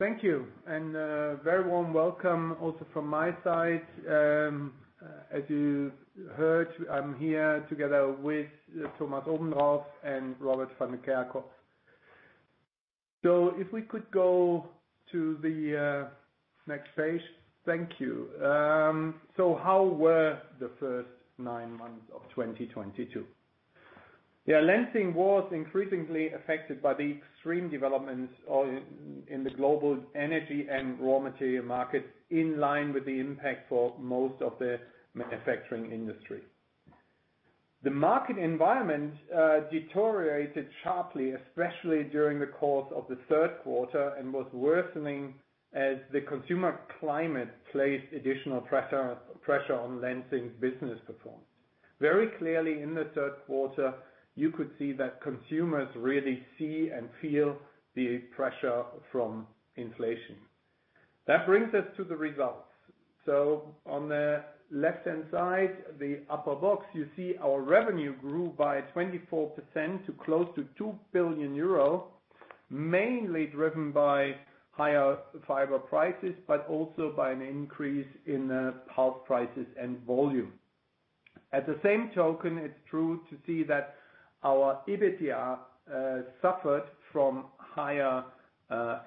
Thank you and, very warm welcome also from my side. As you heard, I'm here together with Thomas Obendrauf and Robert van de Kerkhof. If we could go to the next page. Thank you. How were the first nine months of 2022? Lenzing was increasingly affected by the extreme developments or in the global energy and raw material markets in line with the impact for most of the manufacturing industry. The market environment deteriorated sharply, especially during the course of the third quarter and was worsening as the consumer climate placed additional pressure on Lenzing business performance. Very clearly in the third quarter, you could see that consumers really see and feel the pressure from inflation. That brings us to the results. On the left-hand side, the upper box, you see our revenue grew by 24% to close to 2 billion euro, mainly driven by higher fiber prices, but also by an increase in the pulp prices and volume. At the same token, it's tough to see that our EBITDA suffered from higher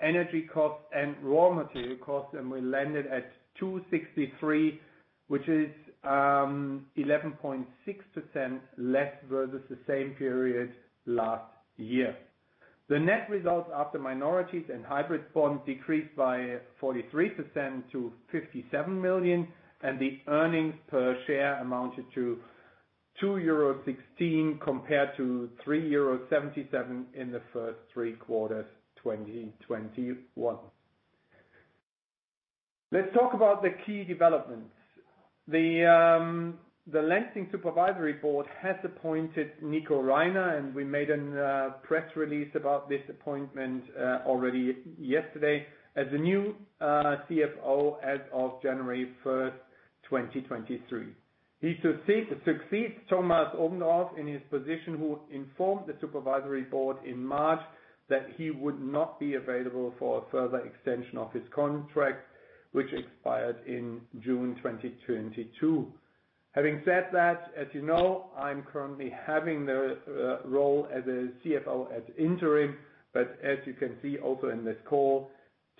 energy costs and raw material costs, and we landed at 263 million, which is 11.6% less versus the same period last year. The net results after minorities and hybrid bonds decreased by 43% to 57 million, and the earnings per share amounted to 2.16 euro compared to 3.77 euro in the first three quarters 2021. Let's talk about the key developments. The Lenzing Supervisory Board has appointed Nico Reiner, and we made a press release about this appointment already yesterday as the new CFO as of January 1, 2023. He succeeds Thomas Obendrauf in his position who informed the supervisory board in March that he would not be available for a further extension of his contract, which expired in June 2022. Having said that, as you know, I'm currently having the role as a CFO at interim, but as you can see also in this call,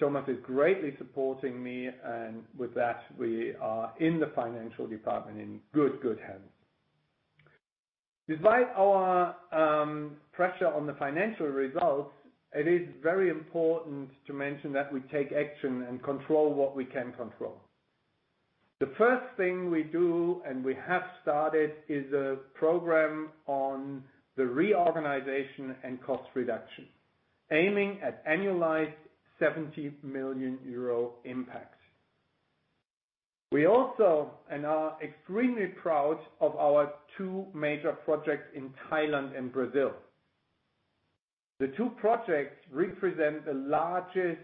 Thomas Obendrauf is greatly supporting me, and with that we are in the financial department in good hands. Despite our pressure on the financial results, it is very important to mention that we take action and control what we can control. The first thing we do, and we have started, is a program on the reorganization and cost reduction, aiming at annualized 70 million euro impact. We also are extremely proud of our two major projects in Thailand and Brazil. The two projects represent the largest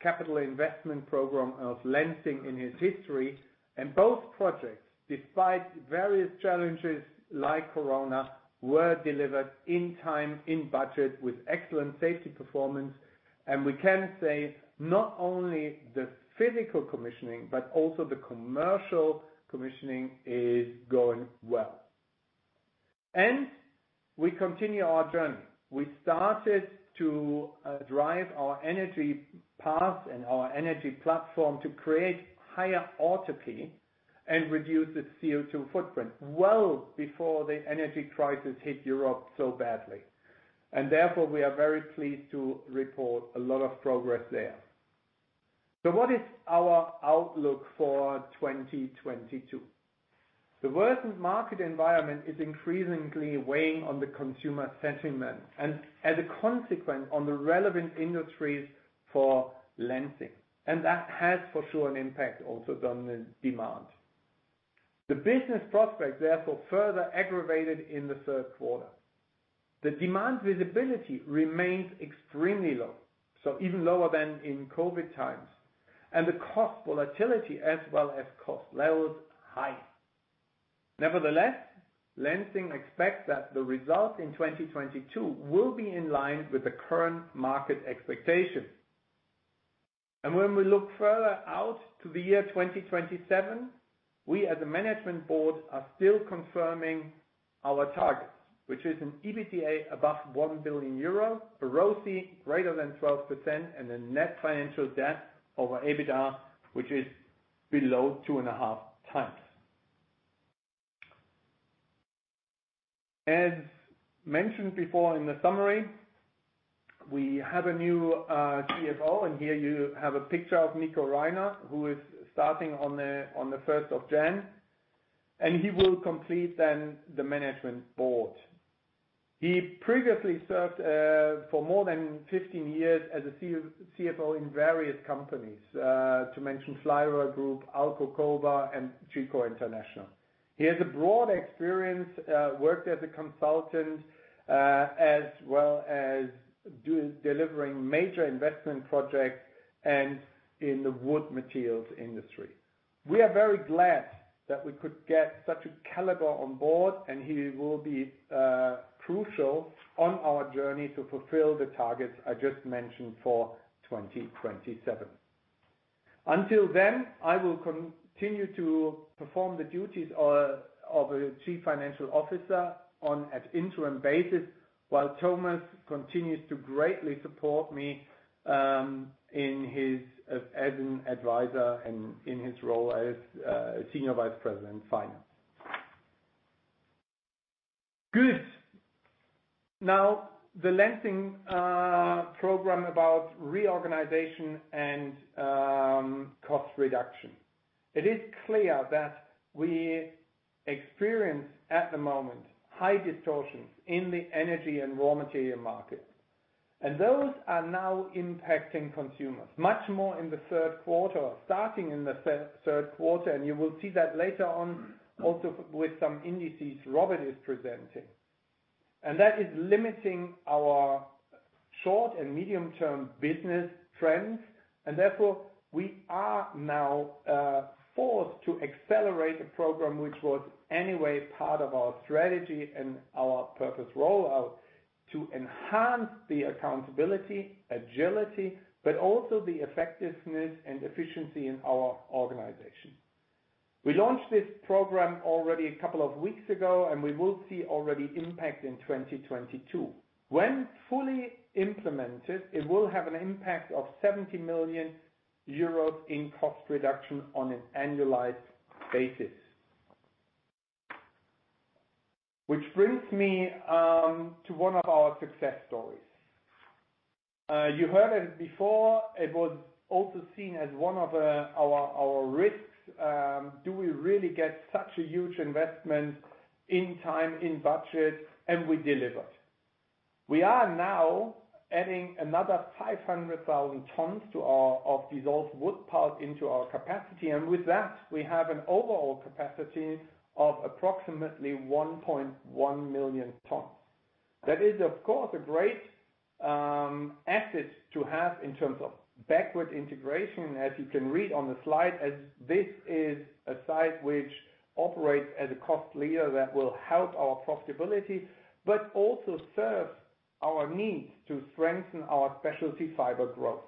capital investment program of Lenzing in its history, and both projects, despite various challenges like Corona, were delivered in time, in budget with excellent safety performance. We can say not only the physical commissioning, but also the commercial commissioning is going well. We continue our journey. We started to drive our energy path and our energy platform to create higher autarchy and reduce its CO2 footprint well before the energy crisis hit Europe so badly. Therefore, we are very pleased to report a lot of progress there. What is our outlook for 2022? The worsened market environment is increasingly weighing on the consumer sentiment and as a consequence on the relevant industries for Lenzing. That has for sure an impact also on the demand. The business prospects therefore further aggravated in the third quarter. The demand visibility remains extremely low, so even lower than in COVID times. The cost volatility as well as cost levels high. Nevertheless, Lenzing expects that the results in 2022 will be in line with the current market expectations. When we look further out to the year 2027, we, as a management board, are still confirming our targets, which is an EBITDA above 1 billion euro, a ROCE greater than 12%, and a net financial debt over EBITDA, which is below 2.5 times. As mentioned before in the summary, we have a new CFO, and here you have a picture of Nico Reiner, who is starting on the first of January, and he will complete then the management board. He previously served for more than 15 years as a CFO in various companies, to mention FLYERALARM, AL-KO, and Geco International. He has a broad experience, worked as a consultant, as well as delivering major investment projects and in the wood materials industry. We are very glad that we could get such a caliber on board, and he will be crucial on our journey to fulfill the targets I just mentioned for 2027. Until then, I will continue to perform the duties of a chief financial officer on an interim basis while Thomas continues to greatly support me in his as an advisor and in his role as senior vice president of finance. Good. Now, the Lenzing program about reorganization and cost reduction. It is clear that we experience, at the moment, high distortions in the energy and raw material market. Those are now impacting consumers much more in the third quarter, starting in the third quarter, and you will see that later on also with some indices Robert is presenting. That is limiting our short- and medium-term business trends, and therefore we are now forced to accelerate the program which was anyway part of our strategy and our purpose rollout to enhance the accountability, agility, but also the effectiveness and efficiency in our organization. We launched this program already a couple of weeks ago, and we will see already impact in 2022. When fully implemented, it will have an impact of 70 million euros in cost reduction on an annualized basis. Which brings me to one of our success stories. You heard it before. It was also seen as one of our risks. Do we really get such a huge investment in time, in budget? We delivered. We are now adding another 500,000 tons of dissolving wood pulp into our capacity. With that, we have an overall capacity of approximately 1.1 million tons. That is, of course, a great asset to have in terms of backward integration, as you can read on the slide, as this is a site which operates as a cost leader that will help our profitability, but also serves our needs to strengthen our specialty fiber growth.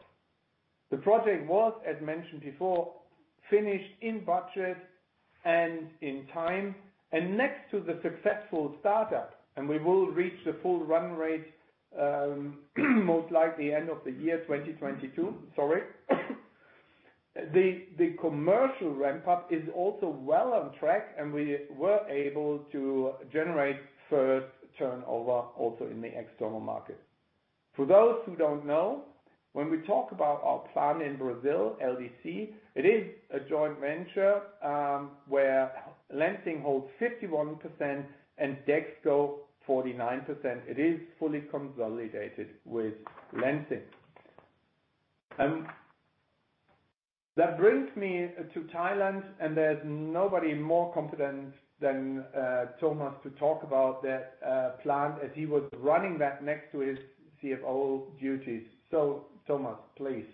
The project was, as mentioned before, finished in budget and in time. Next to the successful startup, we will reach the full run rate, most likely end of the year 2022. Sorry. The commercial ramp up is also well on track, and we were able to generate first turnover also in the external market. For those who don't know, when we talk about our plant in Brazil, LDC, it is a joint venture, where Lenzing holds 51% and Dexco 49%. It is fully consolidated with Lenzing. That brings me to Thailand, and there's nobody more confident than Thomas to talk about that plant as he was running that next to his CFO duties. Thomas, please.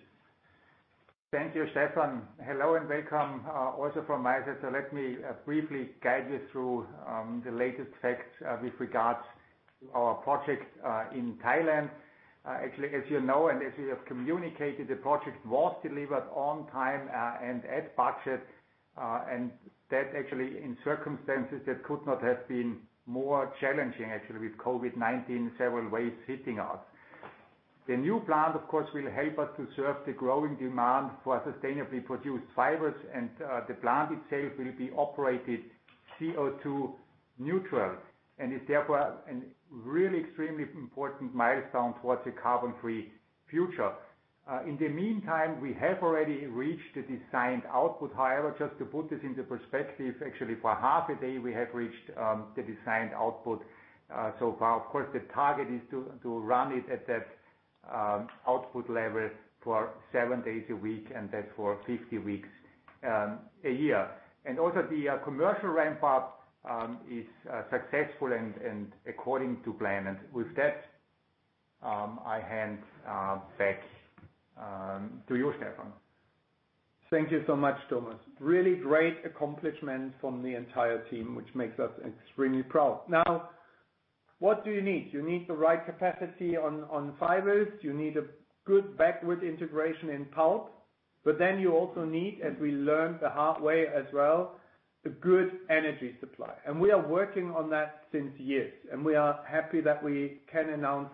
Thank you, Stephan. Hello, welcome also from my side. Let me briefly guide you through the latest facts with regards to our project in Thailand. Actually, as you know, and as we have communicated, the project was delivered on time and at budget and that actually in circumstances that could not have been more challenging, actually, with COVID-19 in several ways hitting us. The new plant, of course, will help us to serve the growing demand for sustainably produced fibers. The plant itself will be operated CO2 neutral and is therefore a really extremely important milestone towards a carbon-free future. In the meantime, we have already reached the designed output. However, just to put this into perspective, actually for half a day we have reached the designed output so far. Of course, the target is to run it at that output level for seven days a week and therefore 50 weeks a year. Also the commercial ramp up is successful and according to plan. With that, I hand back to you, Stephan. Thank you so much, Thomas. Really great accomplishment from the entire team, which makes us extremely proud. Now, what do you need? You need the right capacity on fibers. You need a good backward integration in pulp. You also need, as we learned the hard way as well, a good energy supply. We are working on that since years. We are happy that we can announce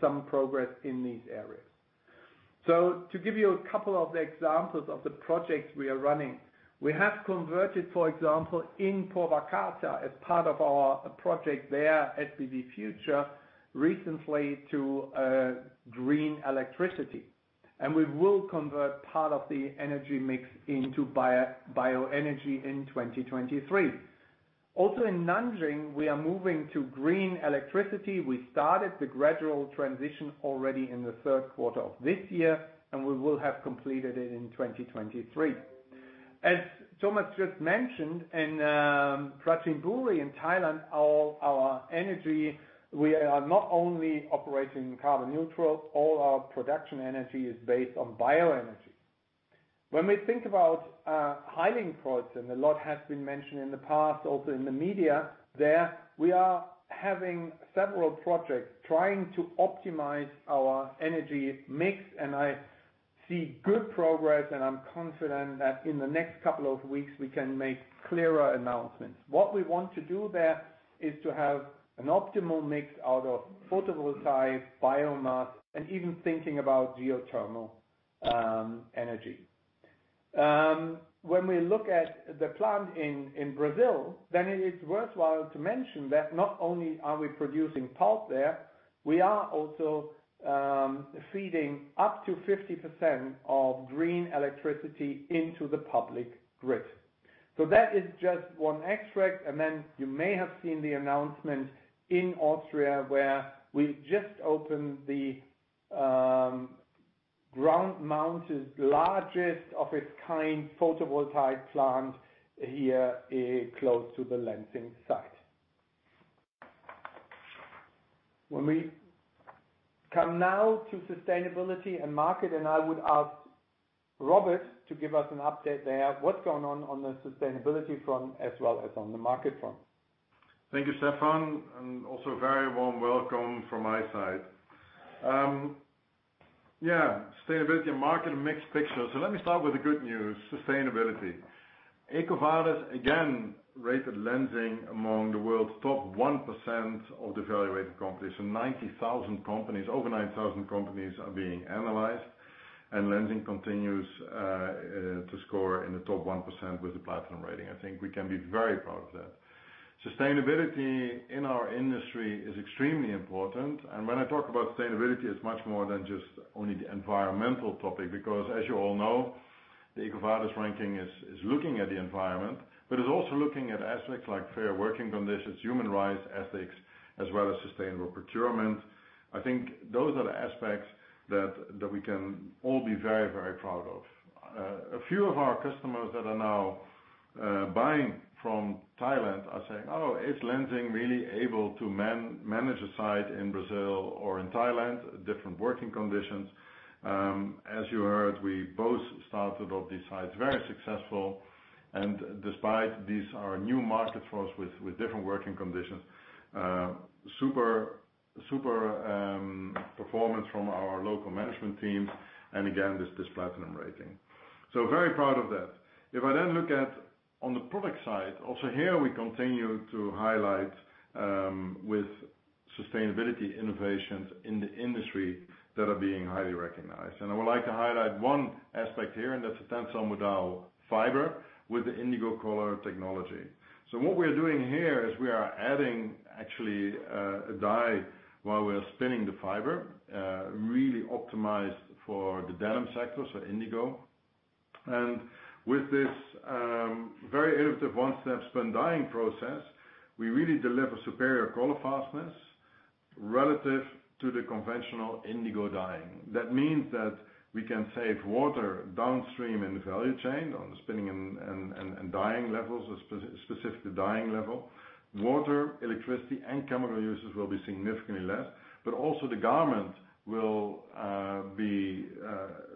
some progress in these areas. To give you a couple of the examples of the projects we are running, we have converted, for example, in Purwakarta as part of our project there, SPV Future, recently to green electricity. We will convert part of the energy mix into bioenergy in 2023. Also in Nanjing, we are moving to green electricity. We started the gradual transition already in the third quarter of this year, and we will have completed it in 2023. As Thomas just mentioned, in Prachinburi in Thailand, all our energy, we are not only operating carbon neutral, all our production energy is based on bioenergy. When we think about highlighting products, and a lot has been mentioned in the past, also in the media there, we are having several projects trying to optimize our energy mix, and I see good progress, and I'm confident that in the next couple of weeks, we can make clearer announcements. What we want to do there is to have an optimal mix out of photovoltaic, biomass and even thinking about geothermal energy. When we look at the plant in Brazil, then it is worthwhile to mention that not only are we producing pulp there, we are also feeding up to 50% of green electricity into the public grid. That is just one extract. You may have seen the announcement in Austria, where we just opened the ground mounted, largest of its kind photovoltaic plant here close to the Lenzing site. When we come now to sustainability and market, and I would ask Robert to give us an update there, what's going on on the sustainability front as well as on the market front. Thank you, Stephan. Also very warm welcome from my side. Sustainability and market, a mixed picture. Let me start with the good news. Sustainability. EcoVadis again rated Lenzing among the world's top 1% of the evaluated companies. 90,000 companies, over 9,000 companies are being analyzed, and Lenzing continues to score in the top 1% with a platinum rating. I think we can be very proud of that. Sustainability in our industry is extremely important. When I talk about sustainability, it's much more than just only the environmental topic, because as you all know, the EcoVadis ranking is looking at the environment, but is also looking at aspects like fair working conditions, human rights, ethics, as well as sustainable procurement. I think those are the aspects that we can all be very, very proud of. A few of our customers that are now buying from Thailand are saying, "Oh, is Lenzing really able to man-manage a site in Brazil or in Thailand?" Different working conditions. As you heard, we both started off these sites very successful. Despite these are new market for us with different working conditions, super performance from our local management teams, and again, this platinum rating. Very proud of that. If I then look at on the product side, also here we continue to highlight with sustainability innovations in the industry that are being highly recognized. I would like to highlight one aspect here, and that's the TENCEL Modal fiber with the indigo color technology. What we're doing here is we are adding actually a dye while we're spinning the fiber, really optimized for the denim sector, so indigo. With this, very innovative one-step spin dyeing process, we really deliver superior color fastness relative to the conventional indigo dyeing. That means that we can save water downstream in the value chain on spinning and dyeing levels, or specifically dyeing level. Water, electricity, and chemical usage will be significantly less, but also the garment will be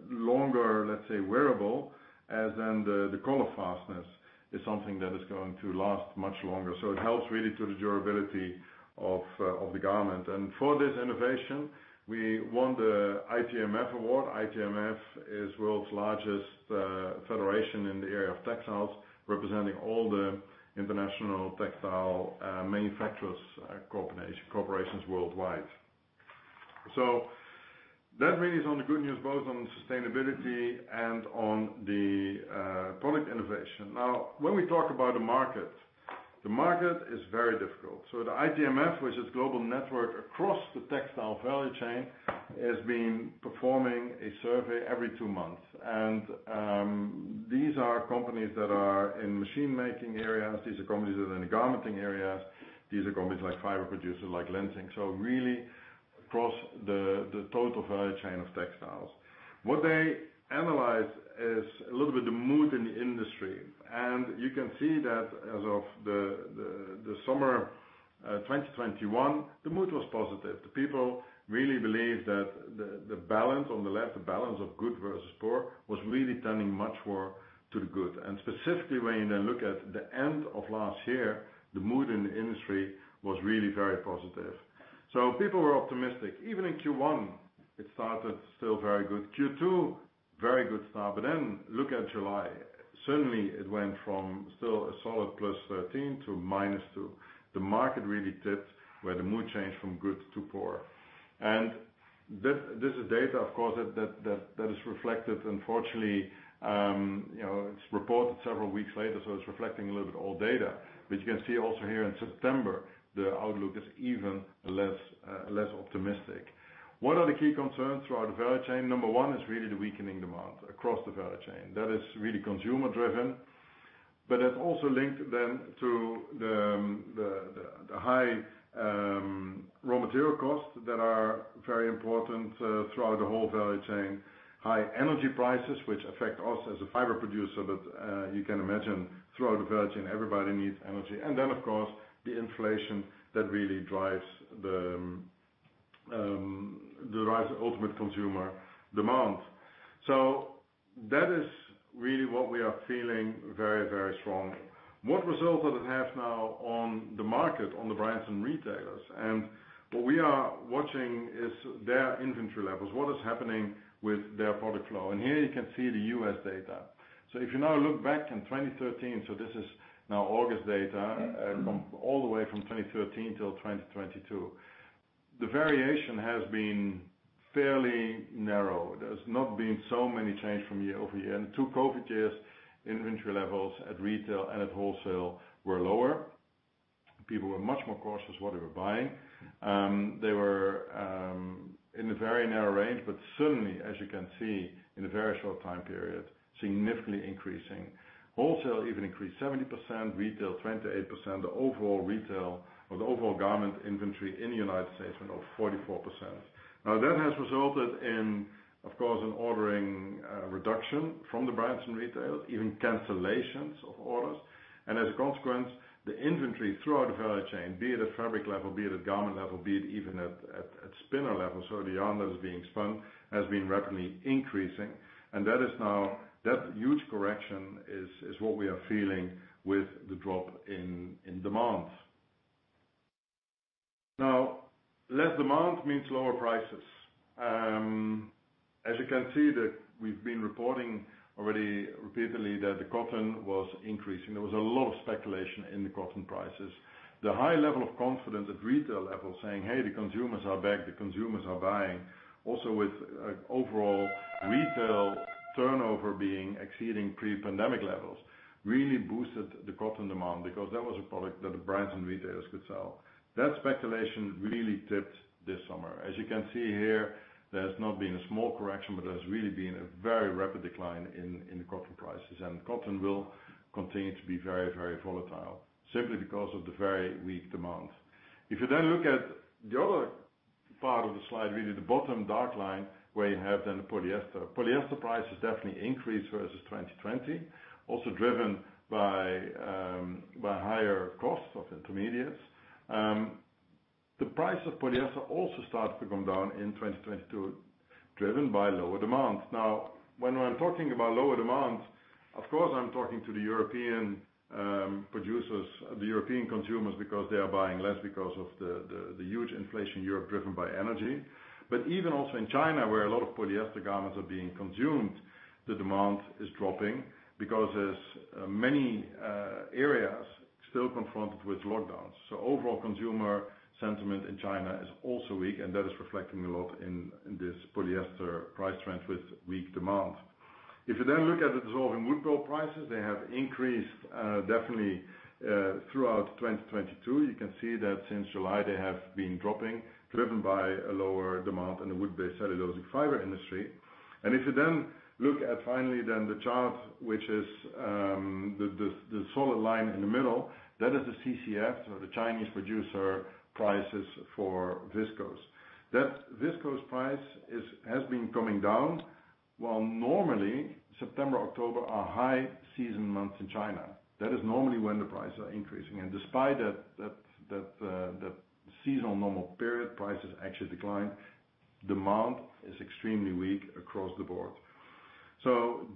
longer, let's say wearable, as in the color fastness is something that is going to last much longer. It helps really to the durability of the garment. For this innovation, we won the ITMF award. ITMF is the world's largest federation in the area of textiles, representing all the international textile manufacturers, corporations worldwide. That really is only good news, both on sustainability and on the product innovation. Now, when we talk about the market, the market is very difficult. The ITMF, which is a global network across the textile value chain, has been performing a survey every two months. These are companies that are in machine making areas. These are companies that are in the garmenting areas. These are companies like fiber producers like Lenzing. Really across the total value chain of textiles. What they analyze is a little bit the mood in the industry. You can see that as of the summer 2021, the mood was positive. The people really believed that the balance on the left, the balance of good versus poor was really turning much more to the good. Specifically when you then look at the end of last year, the mood in the industry was really very positive. People were optimistic. Even in Q1, it started still very good. Q2, very good start. Then look at July. Suddenly it went from still a solid plus 13%- minus 2%. The market really dipped where the mood changed from good to poor. This is data, of course, that is reflected. Unfortunately, you know, it's reported several weeks later, so it's reflecting a little bit old data. You can see also here in September, the outlook is even less optimistic. One of the key concerns throughout the value chain, number one, is really the weakening demand across the value chain. That is really consumer driven. That's also linked then to the high raw material costs that are very important throughout the whole value chain. High energy prices, which affect us as a fiber producer. You can imagine throughout the value chain, everybody needs energy. Then of course, the inflation that really drives the rise of ultimate consumer demand. That is really what we are feeling very, very strong. What result does it have now on the market, on the brands and retailers? What we are watching is their inventory levels, what is happening with their product flow. Here you can see the U.S. data. If you now look back in 2013, this is now August data, from all the way from 2013 till 2022. The variation has been fairly narrow. There has not been so many changes from year-over-year. The two COVID years, inventory levels at retail and at wholesale were lower. People were much more cautious what they were buying. They were in a very narrow range, but suddenly, as you can see, in a very short time period, significantly increasing. Wholesale even increased 70%, retail 28%. The overall retail or the overall garment inventory in the United States went up 44%. That has resulted in, of course, an ordering reduction from the brands and retailers, even cancellations of orders. As a consequence, the inventory throughout the value chain, be it at fabric level, be it at garment level, be it even at spinner level, so the yarn that is being spun, has been rapidly increasing. That is now that huge correction is what we are feeling with the drop in demand. Now, less demand means lower prices. As you can see that we've been reporting already repeatedly that the cotton was increasing. There was a lot of speculation in the cotton prices. The high level of confidence at retail level saying, "Hey, the consumers are back, the consumers are buying." Also with overall retail turnover being exceeding pre-pandemic levels, really boosted the cotton demand because that was a product that the brands and retailers could sell. That speculation really dipped this summer. As you can see here, there has not been a small correction, but there's really been a very rapid decline in the cotton prices. Cotton will continue to be very volatile, simply because of the very weak demand. If you then look at the other part of the slide, really the bottom dark line, where you have then the polyester. Polyester prices definitely increased versus 2020, also driven by higher costs of intermediates. The price of polyester also starts to come down in 2022, driven by lower demand. Now, when I'm talking about lower demand, of course, I'm talking to the European producers, the European consumers, because they are buying less because of the huge inflation in Europe driven by energy. Even also in China, where a lot of polyester garments are being consumed, the demand is dropping because there's many areas still confronted with lockdowns. Overall consumer sentiment in China is also weak, and that is reflecting a lot in this polyester price trend with weak demand. If you then look at the dissolving wood pulp prices, they have increased definitely throughout 2022. You can see that since July they have been dropping, driven by a lower demand in the wood-based cellulosic fiber industry. If you then look at finally then the chart, which is the solid line in the middle, that is the CCF, so the Chinese producer prices for viscose. That viscose price has been coming down, while normally September, October are high season months in China. That is normally when the prices are increasing. Despite that seasonal normal period, prices actually decline. Demand is extremely weak across the board.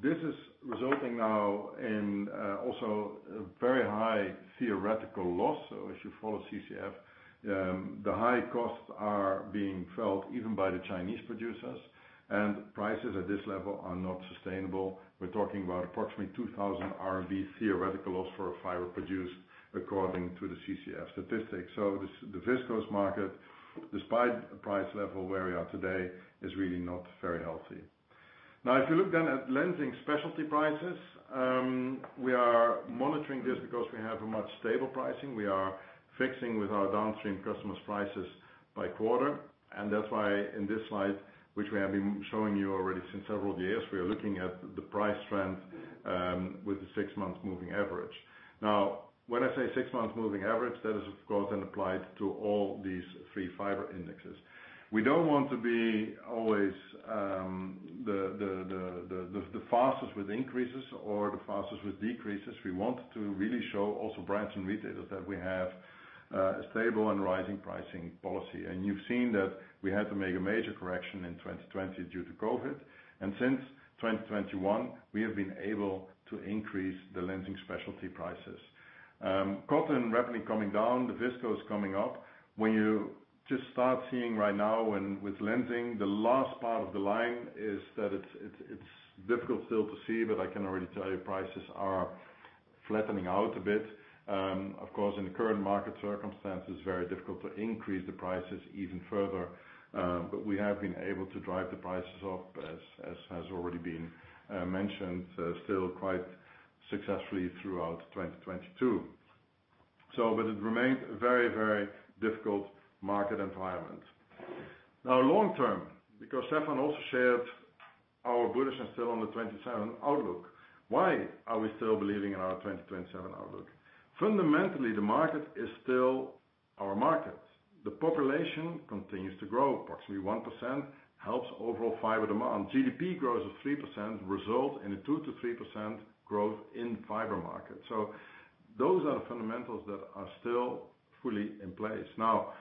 This is resulting now in also a very high theoretical loss. If you follow CCF, the high costs are being felt even by the Chinese producers, and prices at this level are not sustainable. We're talking about approximately 2,000 RMB theoretical loss for a fiber produced according to the CCF statistics. The viscose market, despite the price level where we are today, is really not very healthy. Now, if you look then at Lenzing specialty prices, we are monitoring this because we have a much stable pricing. We are fixing with our downstream customers prices by quarter. That's why in this slide, which we have been showing you already since several years, we are looking at the price trend with the six-month moving average. Now, when I say six-month moving average, that is of course then applied to all these three fiber indexes. We don't want to be always the fastest with increases or the fastest with decreases. We want to really show also brands and retailers that we have a stable and rising pricing policy. You've seen that we had to make a major correction in 2020 due to COVID. Since 2021, we have been able to increase the Lenzing specialty prices. Cotton rapidly coming down, the viscose coming up. When you just start seeing right now with Lenzing, the last part of the line is that it's difficult still to see, but I can already tell you prices are flattening out a bit. Of course, in the current market circumstances, very difficult to increase the prices even further. But we have been able to drive the prices up as has already been mentioned, still quite successfully throughout 2022. But it remains a very difficult market environment. Now long-term, because Stephan also shared our bullish and still on the 2027 outlook. Why are we still believing in our 2027 outlook? Fundamentally, the market is still our market. The population continues to grow. Approximately 1% helps overall fiber demand. GDP grows at 3%, result in a 2%-3% growth in fiber market. Those are the fundamentals that are still fully in place. Now,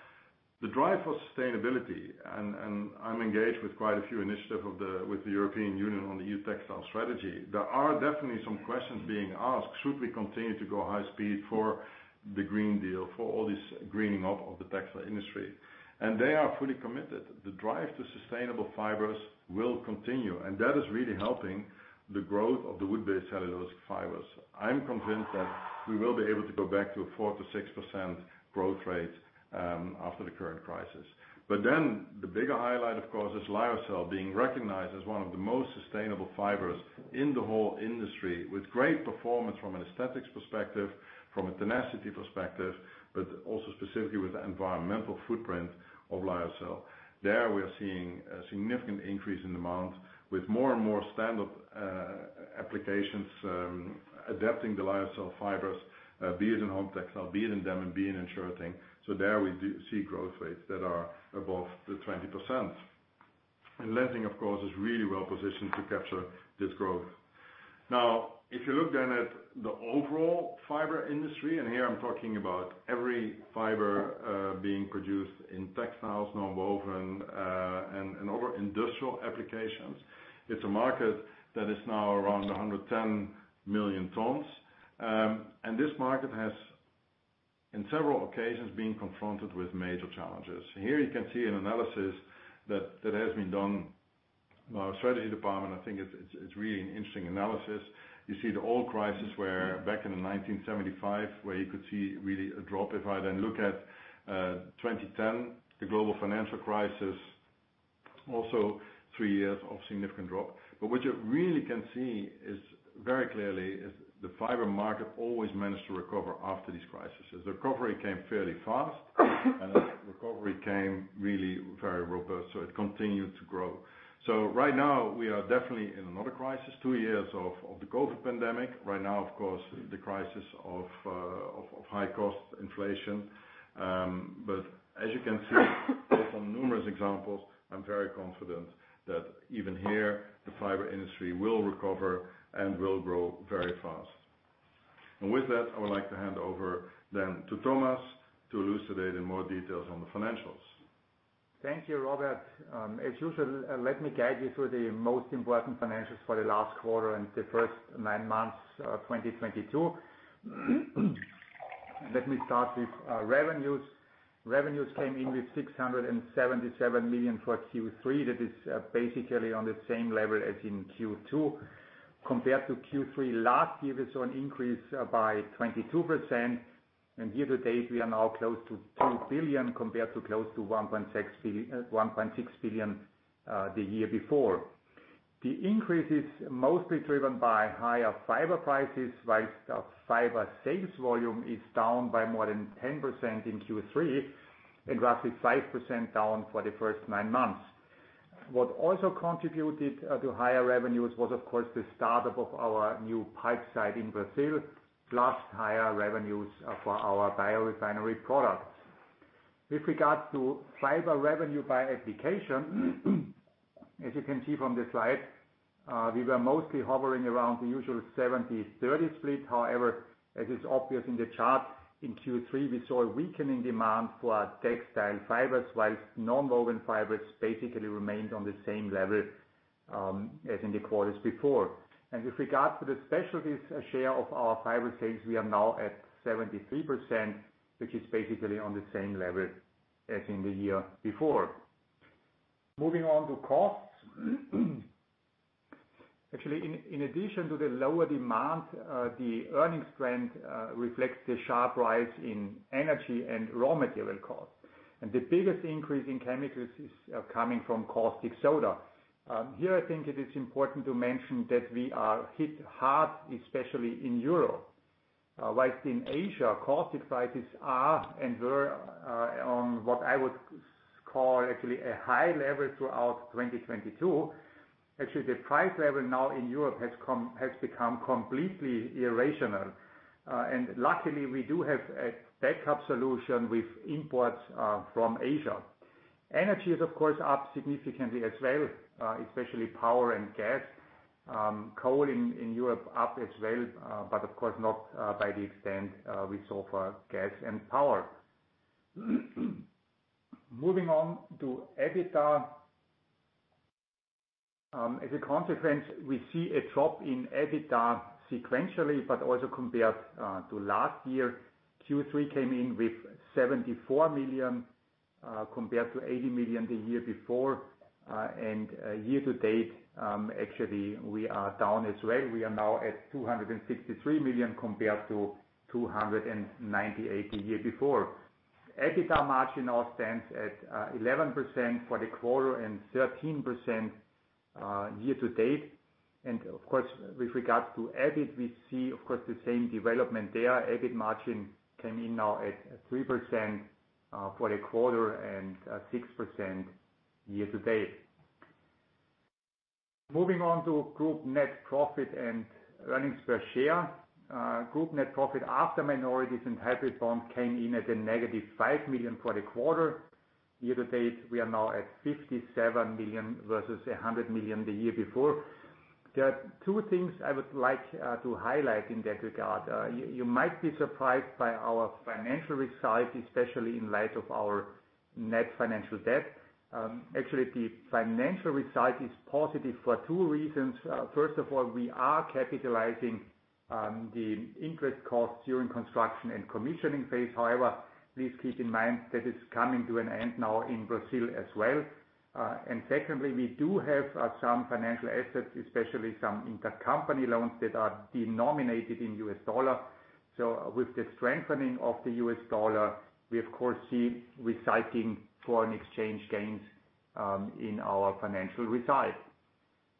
the drive for sustainability, and I'm engaged with quite a few initiatives with the European Union on the EU Textile Strategy. There are definitely some questions being asked, should we continue to go high speed for the European Green Deal, for all this greening up of the textile industry? They are fully committed. The drive to sustainable fibers will continue, and that is really helping the growth of the wood-based cellulosic fibers. I am convinced that we will be able to go back to a 4%-6% growth rate after the current crisis. The bigger highlight, of course, is Lyocell being recognized as one of the most sustainable fibers in the whole industry, with great performance from an aesthetics perspective, from a tenacity perspective, but also specifically with the environmental footprint of Lyocell. There we are seeing a significant increase in demand with more and more standard applications adapting the Lyocell fibers, be it in home textile, be it in denim, be it in shirting. There we do see growth rates that are above the 20%. Lenzing, of course, is really well positioned to capture this growth. Now, if you look then at the overall fiber industry, and here I'm talking about every fiber being produced in textiles, nonwoven, and other industrial applications. It's a market that is now around 110 million tons. This market has, in several occasions, been confronted with major challenges. Here you can see an analysis that has been done by our strategy department. I think it's really an interesting analysis. You see the oil crisis where back in 1975, where you could see really a drop. If I then look at 2010, the global financial crisis, also three years of significant drop. What you really can see is very clearly the fiber market always managed to recover after these crises. The recovery came fairly fast, and the recovery came really very robust, so it continued to grow. Right now we are definitely in another crisis, two years of the COVID pandemic. Right now, of course, the crisis of high cost inflation. As you can see based on numerous examples, I'm very confident that even here the fiber industry will recover and will grow very fast. With that, I would like to hand over then to Thomas to elucidate in more details on the financials. Thank you, Robert. As usual, let me guide you through the most important financials for the last quarter and the first nine months of 2022. Let me start with revenues. Revenues came in with 677 million for Q3. That is basically on the same level as in Q2. Compared to Q3 last year we saw an increase by 22%. Year to date we are now close to 2 billion compared to close to 1.6 billion the year before. The increase is mostly driven by higher fiber prices, while fiber sales volume is down by more than 10% in Q3 and roughly 5% down for the first nine months. What also contributed to higher revenues was, of course, the startup of our new pulp site in Brazil, plus higher revenues for our biorefinery products. With regard to fiber revenue by application, as you can see from the slide, we were mostly hovering around the usual 70-30 split. However, as is obvious in the chart, in Q3 we saw a weakening demand for our textile fibers, while nonwoven fibers basically remained on the same level as in the quarters before. With regard to the specialties share of our fiber sales, we are now at 73%, which is basically on the same level as in the year before. Moving on to costs. Actually, in addition to the lower demand, the earnings trend reflects the sharp rise in energy and raw material costs. The biggest increase in chemicals is coming from caustic soda. Here I think it is important to mention that we are hit hard, especially in Europe. While in Asia, caustic prices are and were on what I would call actually a high level throughout 2022. Actually, the price level now in Europe has become completely irrational. Luckily, we do have a backup solution with imports from Asia. Energy is, of course, up significantly as well, especially power and gas. Coal in Europe up as well, but of course not by the extent we saw for gas and power. Moving on to EBITDA. As a consequence, we see a drop in EBITDA sequentially, but also compared to last year. Q3 came in with 74 million compared to 80 million the year before. Year-to-date, actually we are down as well. We are now at 263 million compared to 298 million the year before. EBITDA margin now stands at 11% for the quarter and 13% year to date. Of course, with regard to EBIT, we see of course the same development there. EBIT margin came in now at 3% for the quarter and 6% year-to-date. Moving on to group net profit and earnings per share. Group net profit after minorities and hybrid bonds came in at a negative 5 million for the quarter. Year-to-date, we are now at 57 million, versus 100 million the year before. There are two things I would like to highlight in that regard. You might be surprised by our financial result, especially in light of our net financial debt. Actually, the financial result is positive for two reasons. First of all, we are capitalizing the interest costs during construction and commissioning phase. However, please keep in mind that it's coming to an end now in Brazil as well. Secondly, we do have some financial assets, especially some intercompany loans that are denominated in U.S. dollar. With the strengthening of the U.S. dollar, we of course see realizing foreign exchange gains in our financial result.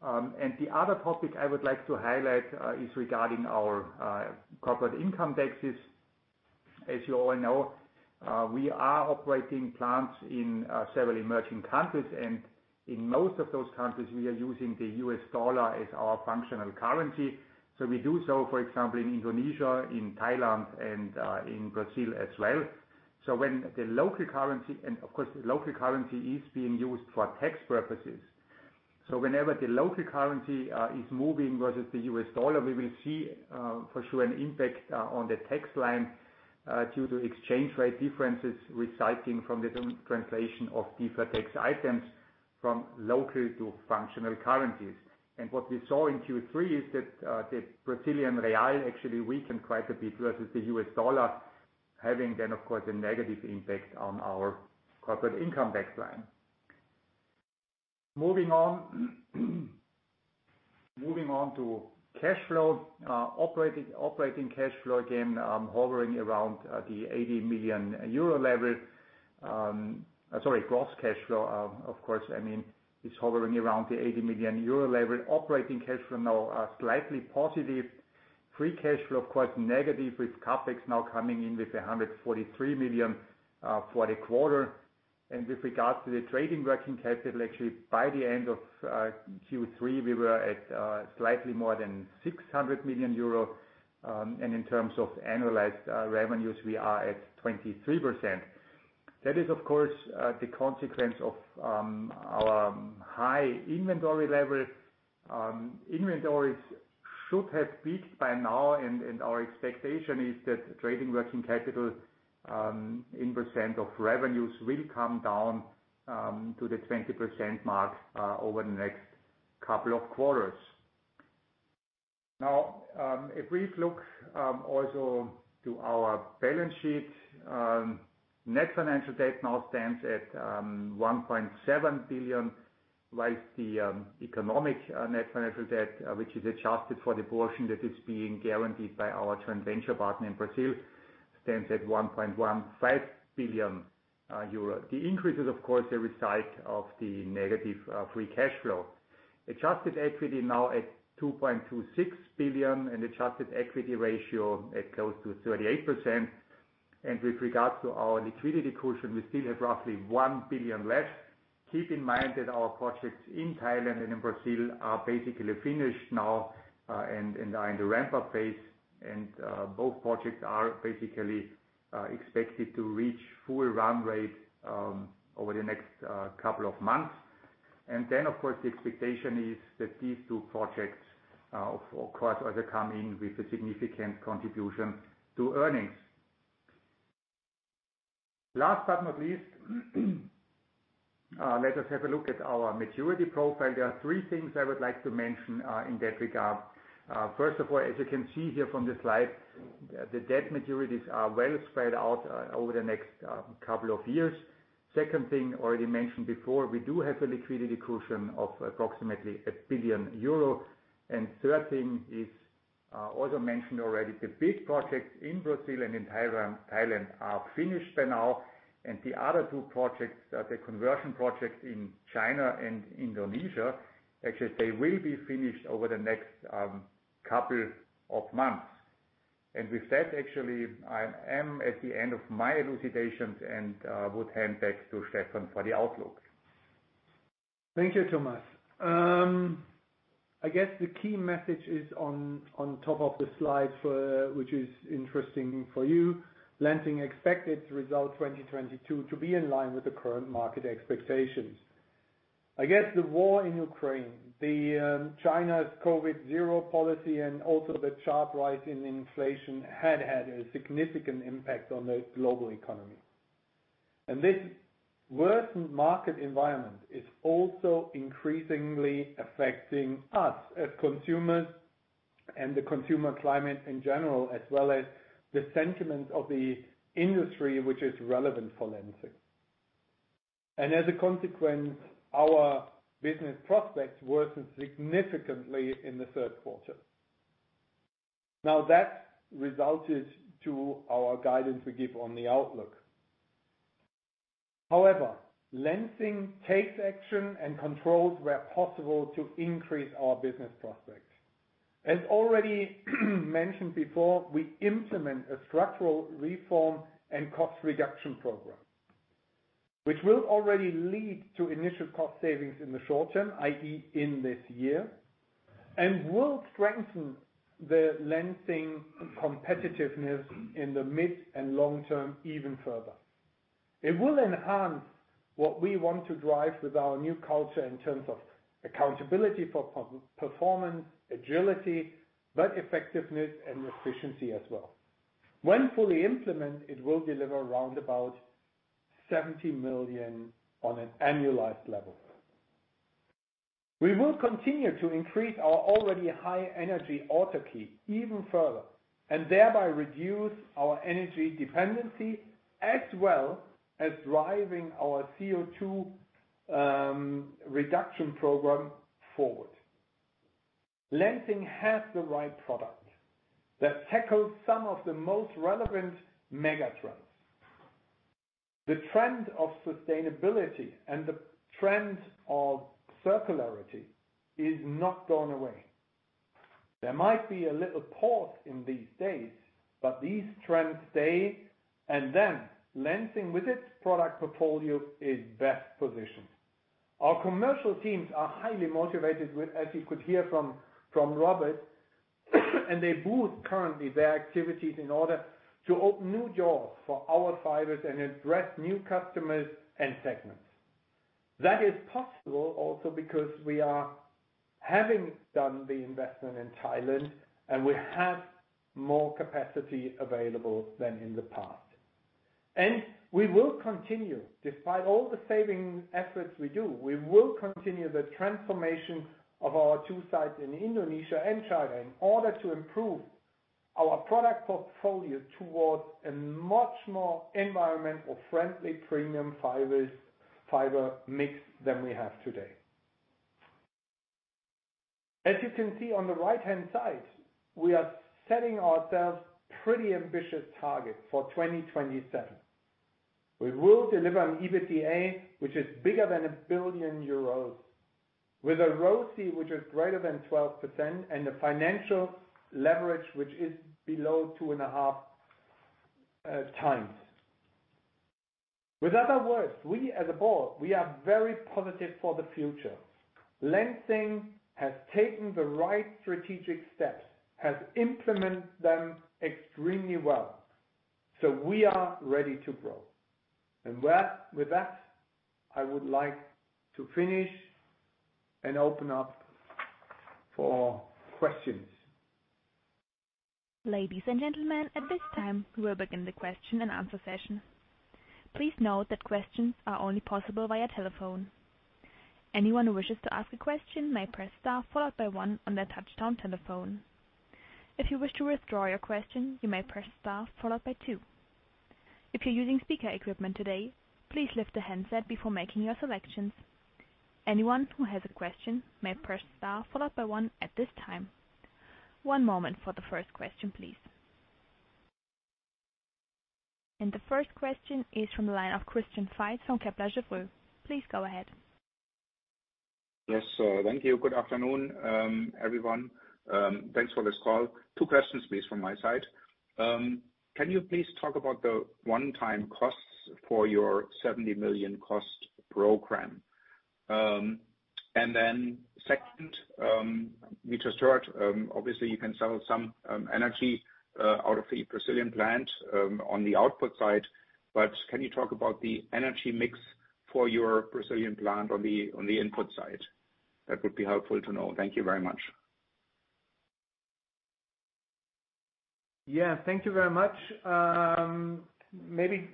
The other topic I would like to highlight is regarding our corporate income taxes. As you all know, we are operating plants in several emerging countries, and in most of those countries, we are using the U.S. dollar as our functional currency. We do so, for example, in Indonesia, in Thailand, and in Brazil as well. When the local currency—and of course the local currency is being used for tax purposes. Whenever the local currency is moving versus the U.S. dollar, we will see, for sure, an impact on the tax line due to exchange rate differences resulting from the translation of different tax items from local to functional currencies. What we saw in Q3 is that the Brazilian real actually weakened quite a bit versus the U.S. dollar, having then, of course, a negative impact on our corporate income tax line. Moving on to cash flow. Operating cash flow, again, hovering around the 80 million euro level. Sorry, gross cash flow, of course, I mean, is hovering around the 80 million euro level. Operating cash flow now are slightly positive. Free cash flow of course negative with CapEx now coming in with 143 million for the quarter. With regards to the trading working capital, actually, by the end of Q3, we were at slightly more than 600 million euro. In terms of annualized revenues, we are at 23%. That is, of course, the consequence of our high inventory level. Inventories should have peaked by now and our expectation is that trading working capital in percent of revenues will come down to the 20% mark over the next couple of quarters. Now, a brief look also to our balance sheet. Net financial debt now stands at 1.7 billion, while the economic net financial debt, which is adjusted for the portion that is being guaranteed by our joint venture partner in Brazil, stands at 1.15 billion euro. The increase is of course a result of the negative free cash flow. Adjusted equity now at 2.26 billion, and adjusted equity ratio at close to 38%. With regard to our liquidity cushion, we still have roughly 1 billion left. Keep in mind that our projects in Thailand and in Brazil are basically finished now, and are in the ramp-up phase. Both projects are basically expected to reach full run rate over the next couple of months. Then, of course, the expectation is that these two projects, of course, they come in with a significant contribution to earnings. Last but not least, let us have a look at our maturity profile. There are three things I would like to mention, in that regard. First of all, as you can see here from the slide, the debt maturities are well spread out, over the next couple of years. Second thing already mentioned before, we do have a liquidity cushion of approximately 1 billion euro. Third thing is, also mentioned already, the big projects in Brazil and in Thailand are finished by now. The other two projects, the conversion projects in China and Indonesia, actually, they will be finished over the next couple of months. With that, actually, I am at the end of my elucidations and would hand back to Stephan for the outlook. Thank you, Thomas. I guess the key message is on top of the slide which is interesting for you. Lenzing expects its results 2022 to be in line with the current market expectations. I guess the war in Ukraine, China's COVID zero policy, and also the sharp rise in inflation had a significant impact on the global economy. This worsened market environment is also increasingly affecting us as consumers and the consumer climate in general, as well as the sentiment of the industry which is relevant for Lenzing. As a consequence, our business prospects worsened significantly in the third quarter. Now that resulted in our guidance we give on the outlook. However, Lenzing takes action and controls where possible to increase our business prospects. As already mentioned before, we implement a structural reform and cost reduction program, which will already lead to initial cost savings in the short-term, i.e., in this year. We will strengthen Lenzing's competitiveness in the mid and long-term even further. It will enhance what we want to drive with our new culture in terms of accountability for pay-for-performance, agility, but effectiveness and efficiency as well. When fully implemented, it will deliver around about 70 million on an annualized level. We will continue to increase our already high energy autarky even further, and thereby reduce our energy dependency, as well as driving our CO2 reduction program forward. Lenzing has the right product that tackles some of the most relevant megatrends. The trend of sustainability and the trend of circularity is not going away. There might be a little pause in these days, but these trends stay and then Lenzing with its product portfolio, is best positioned. Our commercial teams are highly motivated with, as you could hear from Robert, and they boost currently their activities in order to open new doors for our fibers and address new customers and segments. That is possible also because we are having done the investment in Thailand and we have more capacity available than in the past. We will continue. Despite all the saving efforts we do, we will continue the transformation of our two sites in Indonesia and China in order to improve our product portfolio towards a much more environmentally friendly premium fibers, fiber mix than we have today. As you can see on the right-hand side, we are setting ourselves pretty ambitious targets for 2027. We will deliver an EBITDA which is bigger than 1 billion euros with a ROCE which is greater than 12% and a financial leverage which is below 2.5 times. In other words, we as a board, we are very positive for the future. Lenzing has taken the right strategic steps, has implemented them extremely well. We are ready to grow. With that, I would like to finish and open up for questions. Ladies and gentlemen, at this time, we will begin the question and answer session. Please note that questions are only possible via telephone. Anyone who wishes to ask a question may press star followed by one on their touchtone telephone. If you wish to withdraw your question, you may press star followed by two. If you're using speaker equipment today, please lift the handset before making your selections. Anyone who has a question may press star followed by one at this time. One moment for the first question, please. The first question is from the line of Christian Faitz from Kepler Cheuvreux. Please go ahead. Yes. Thank you. Good afternoon, everyone. Thanks for this call. Two questions, please, from my side. Can you please talk about the one-time costs for your 70 million cost program? And then second, Mr. Sielaff, obviously you can sell some energy out of the Brazilian plant on the output side, but can you talk about the energy mix for your Brazilian plant on the input side? That would be helpful to know. Thank you very much. Yeah. Thank you very much. Maybe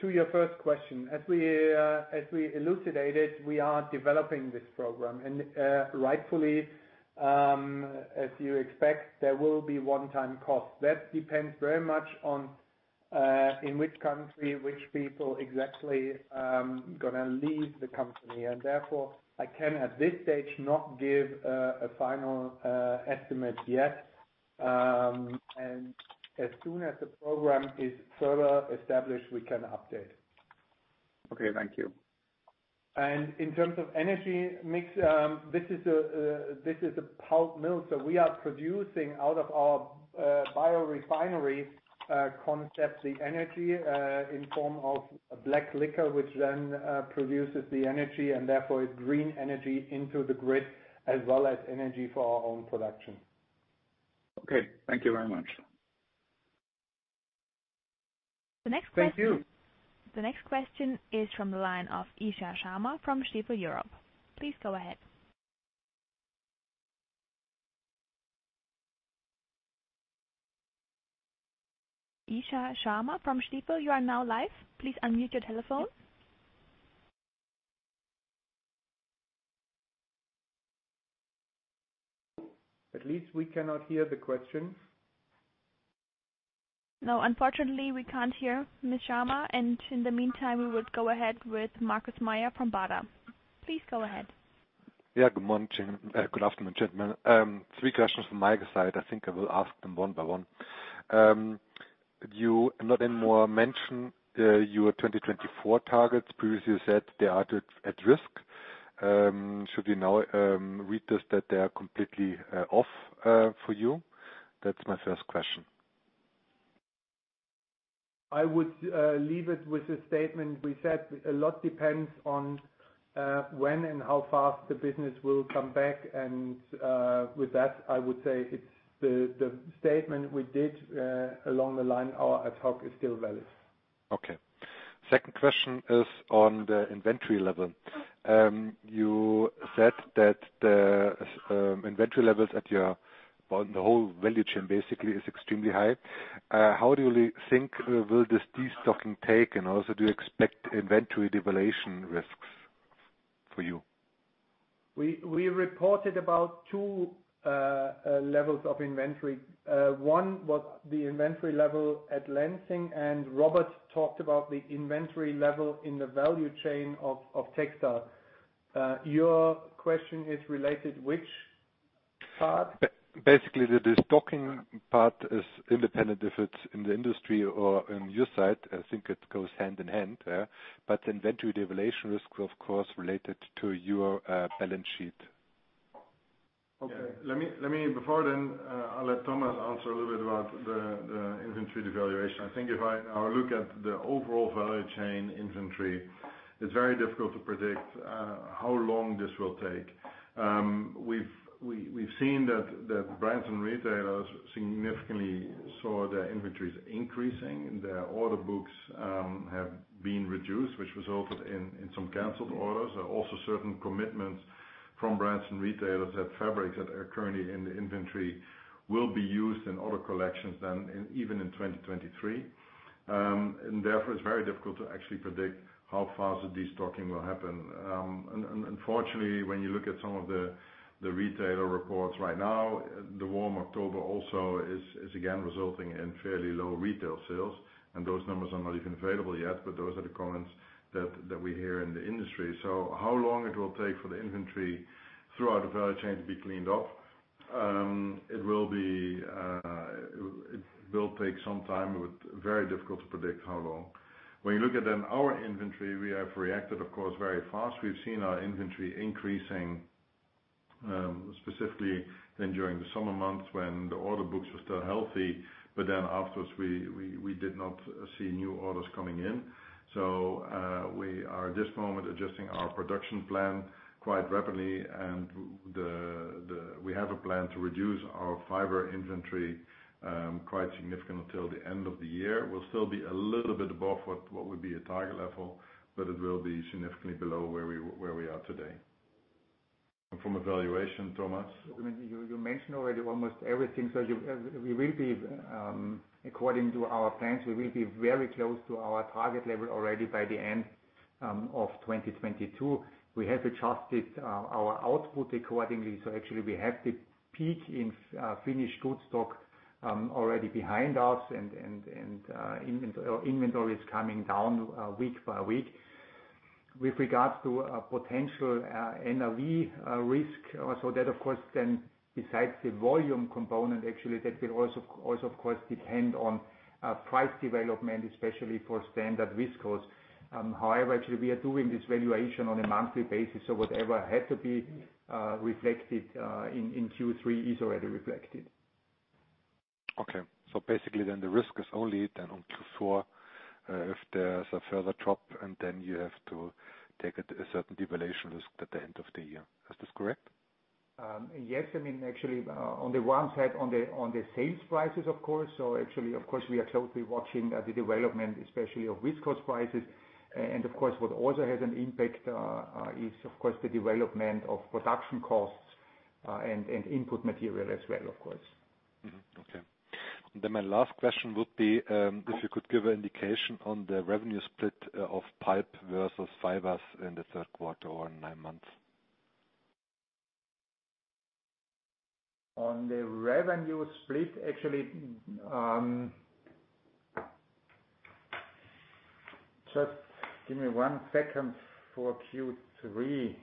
to your first question. As we elucidated, we are developing this program and, rightfully, as you expect, there will be one-time costs. That depends very much on, in which country, which people exactly, gonna leave the company and therefore I can at this stage not give, a final, estimate yet. As soon as the program is further established, we can update. Okay. Thank you. In terms of energy mix, this is a pulp mill. We are producing out of our biorefinery concept the energy in form of a black liquor which then produces the energy and therefore is green energy into the grid as well as energy for our own production. Okay. Thank you very much. The next question. Thank you. The next question is from the line of Isha Sharma from Stifel Europe. Please go ahead. Isha Sharma from Stifel, you are now live. Please unmute your telephone. At least we cannot hear the question. No, unfortunately, we can't hear Ms. Sharma. In the meantime, we will go ahead with Markus Mayer from Baader. Please go ahead. Good afternoon, gentlemen. Three questions from my side. I think I will ask them one by one. You no longer mention your 2024 targets. Previously you said they are at risk. Should we now read it that they are completely off for you? That's my first question. I would leave it with a statement we said a lot depends on when and how fast the business will come back and with that, I would say it's the statement we did along the line, our ad hoc is still valid. Okay. Second question is on the inventory level. You said that the inventory levels on the whole value chain basically is extremely high. How do you think will this destocking take? Also do you expect inventory devaluation risks for you? We reported about two levels of inventory. One was the inventory level at Lenzing, and Robert talked about the inventory level in the value chain of textile. Your question is related which part? Basically the destocking part is independent if it's in the industry or in your side. I think it goes hand in hand, yeah. Inventory devaluation risk of course related to your balance sheet. Okay. Let me before then, I'll let Thomas answer a little bit about the inventory devaluation. I think if I now look at the overall value chain inventory, it's very difficult to predict how long this will take. We've seen that brands and retailers significantly saw their inventories increasing. Their order books have been reduced, which resulted in some canceled orders. Also, certain commitments from brands and retailers that fabrics that are currently in the inventory will be used in order collections then, even in 2023. Unfortunately, when you look at some of the retailer reports right now, the warm October also is again resulting in fairly low retail sales. Those numbers are not even available yet, but those are the comments that we hear in the industry. How long it will take for the inventory throughout the value chain to be cleaned up, it will take some time, but very difficult to predict how long. When you look at then our inventory, we have reacted of course very fast. We've seen our inventory increasing, specifically then during the summer months when the order books were still healthy. Then afterwards we did not see new orders coming in. We are at this moment adjusting our production plan quite rapidly. We have a plan to reduce our fiber inventory quite significantly until the end of the year. We'll still be a little bit above what would be a target level, but it will be significantly below where we are today. From a valuation, Thomas? I mean, you mentioned already almost everything. According to our plans, we will be very close to our target level already by the end of 2022. We have adjusted our output accordingly. Actually we have the peak in finished goods stock already behind us and inventory is coming down week-by-week. With regards to a potential NRV risk, that of course can, besides the volume component, actually that will also of course depend on price development, especially for standard viscose. However, actually we are doing this valuation on a monthly basis, so whatever had to be reflected in Q3 is already reflected. Basically then the risk is only then on Q4, if there's a further drop, and then you have to take a certain devaluation risk at the end of the year. Is this correct? Yes. I mean, actually, on the one side, on the sales prices, of course. Actually of course, we are closely watching the development especially of viscose prices. Of course, what also has an impact is of course the development of production costs and input material as well, of course. Okay. My last question would be, if you could give an indication on the revenue split of pulp versus fibers in the third quarter or nine months. On the revenue split, actually, just give me one second. For Q3,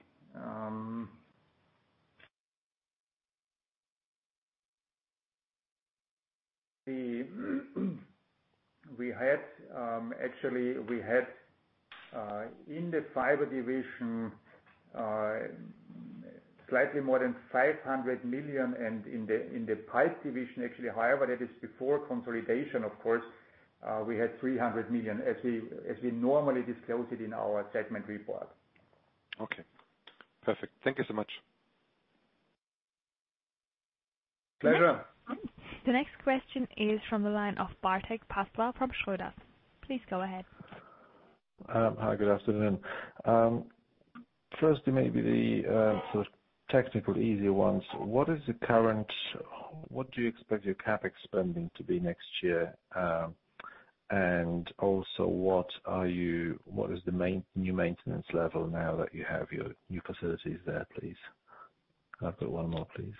actually we had in the fiber division slightly more than 500 million. In the Pulp Division, actually, however, that is before consolidation, of course, we had 300 million as we normally disclose it in our segment report. Okay, perfect. Thank you so much. Pleasure. The next question is from the line of Bartek Pasler from Schroders. Please go ahead. Hi. Good afternoon. Firstly maybe the sort of technical easier ones. What do you expect your CapEx spending to be next year? And also what is the main, new maintenance level now that you have your new facilities there, please? I've got one more, please.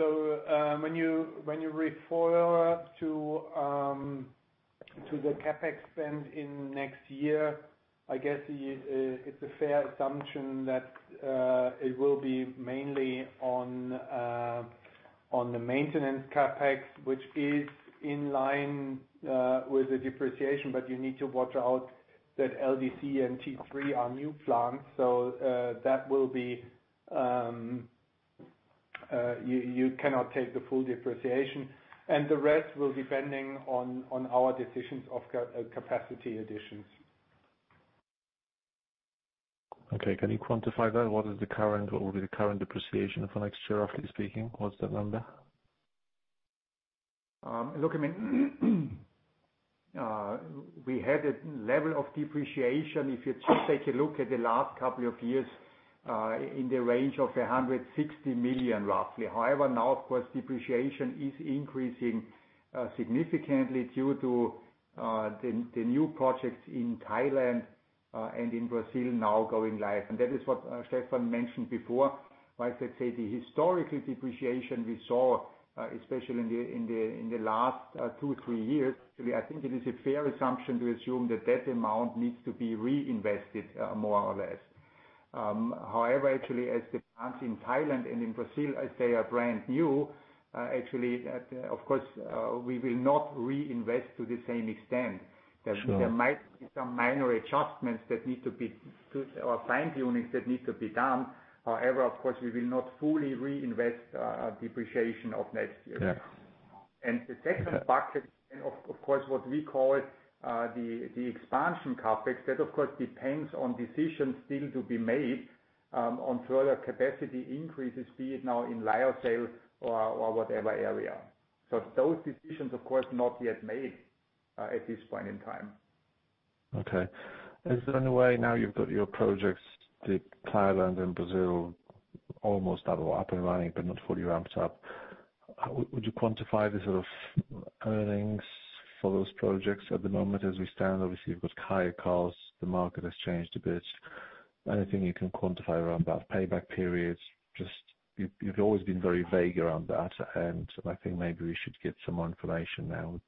When you refer to the CapEx spend in next year, I guess it's a fair assumption that it will be mainly on the maintenance CapEx, which is in line with the depreciation, but you need to watch out that LDC and T3 are new plants. You cannot take the full depreciation, and the rest will depend on our decisions of capacity additions. Okay. Can you quantify that? What will be the current depreciation for next year, roughly speaking? What's that number? Look, I mean, we had a level of depreciation, if you just take a look at the last couple of years, in the range of 160 million, roughly. However, now of course, depreciation is increasing significantly due to the new projects in Thailand and in Brazil now going live, and that is what Stephan mentioned before. Like, let's say the historical depreciation we saw, especially in the last two to three years, I think it is a fair assumption to assume that that amount needs to be reinvested more or less. However, actually, as the plants in Thailand and in Brazil, as they are brand new, actually, of course, we will not reinvest to the same extent. Sure. There might be some minor adjustments or fine-tuning that need to be done. However, of course, we will not fully reinvest depreciation of next year. Yes. The second bucket, of course, what we call it, the expansion CapEx, that, of course, depends on decisions still to be made, on further capacity increases, be it now in Lyocell or whatever area. Those decisions, of course, not yet made, at this point in time. Okay. Is there any way now you've got your projects, the Thailand and Brazil, almost double up and running, but not fully ramped up, how would you quantify the sort of earnings for those projects at the moment as we stand? Obviously, you've got higher costs. The market has changed a bit. Anything you can quantify around that payback period? Just you've always been very vague around that, and I think maybe we should get some more information now.